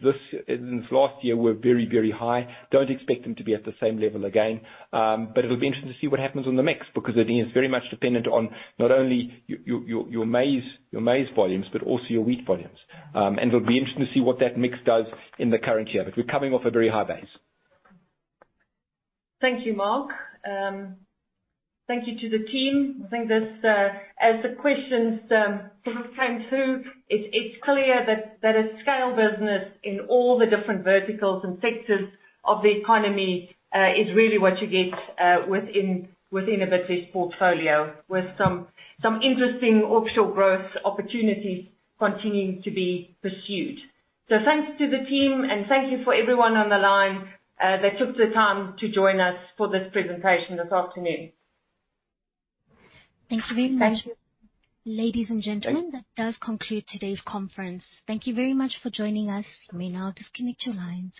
since last year were very high. Don't expect them to be at the same level again. It'll be interesting to see what happens on the mix, because I think it's very much dependent on not only your maize volumes, but also your wheat volumes. It'll be interesting to see what that mix does in the current year. We're coming off a very high base. Thank you, Mark. Thank you to the team. I think this, as the questions sort of came through, it's clear that a scale business in all the different verticals and sectors of the economy is really what you get within a Bidvest portfolio with some interesting offshore growth opportunities continuing to be pursued. Thanks to the team and thank you for everyone on the line that took the time to join us for this presentation this aftrnoon. Thank you very much. Thank you. Ladies and gentlemen, that does conclude today's conference. Thank you very much for joining us. You may now disconnect your lines.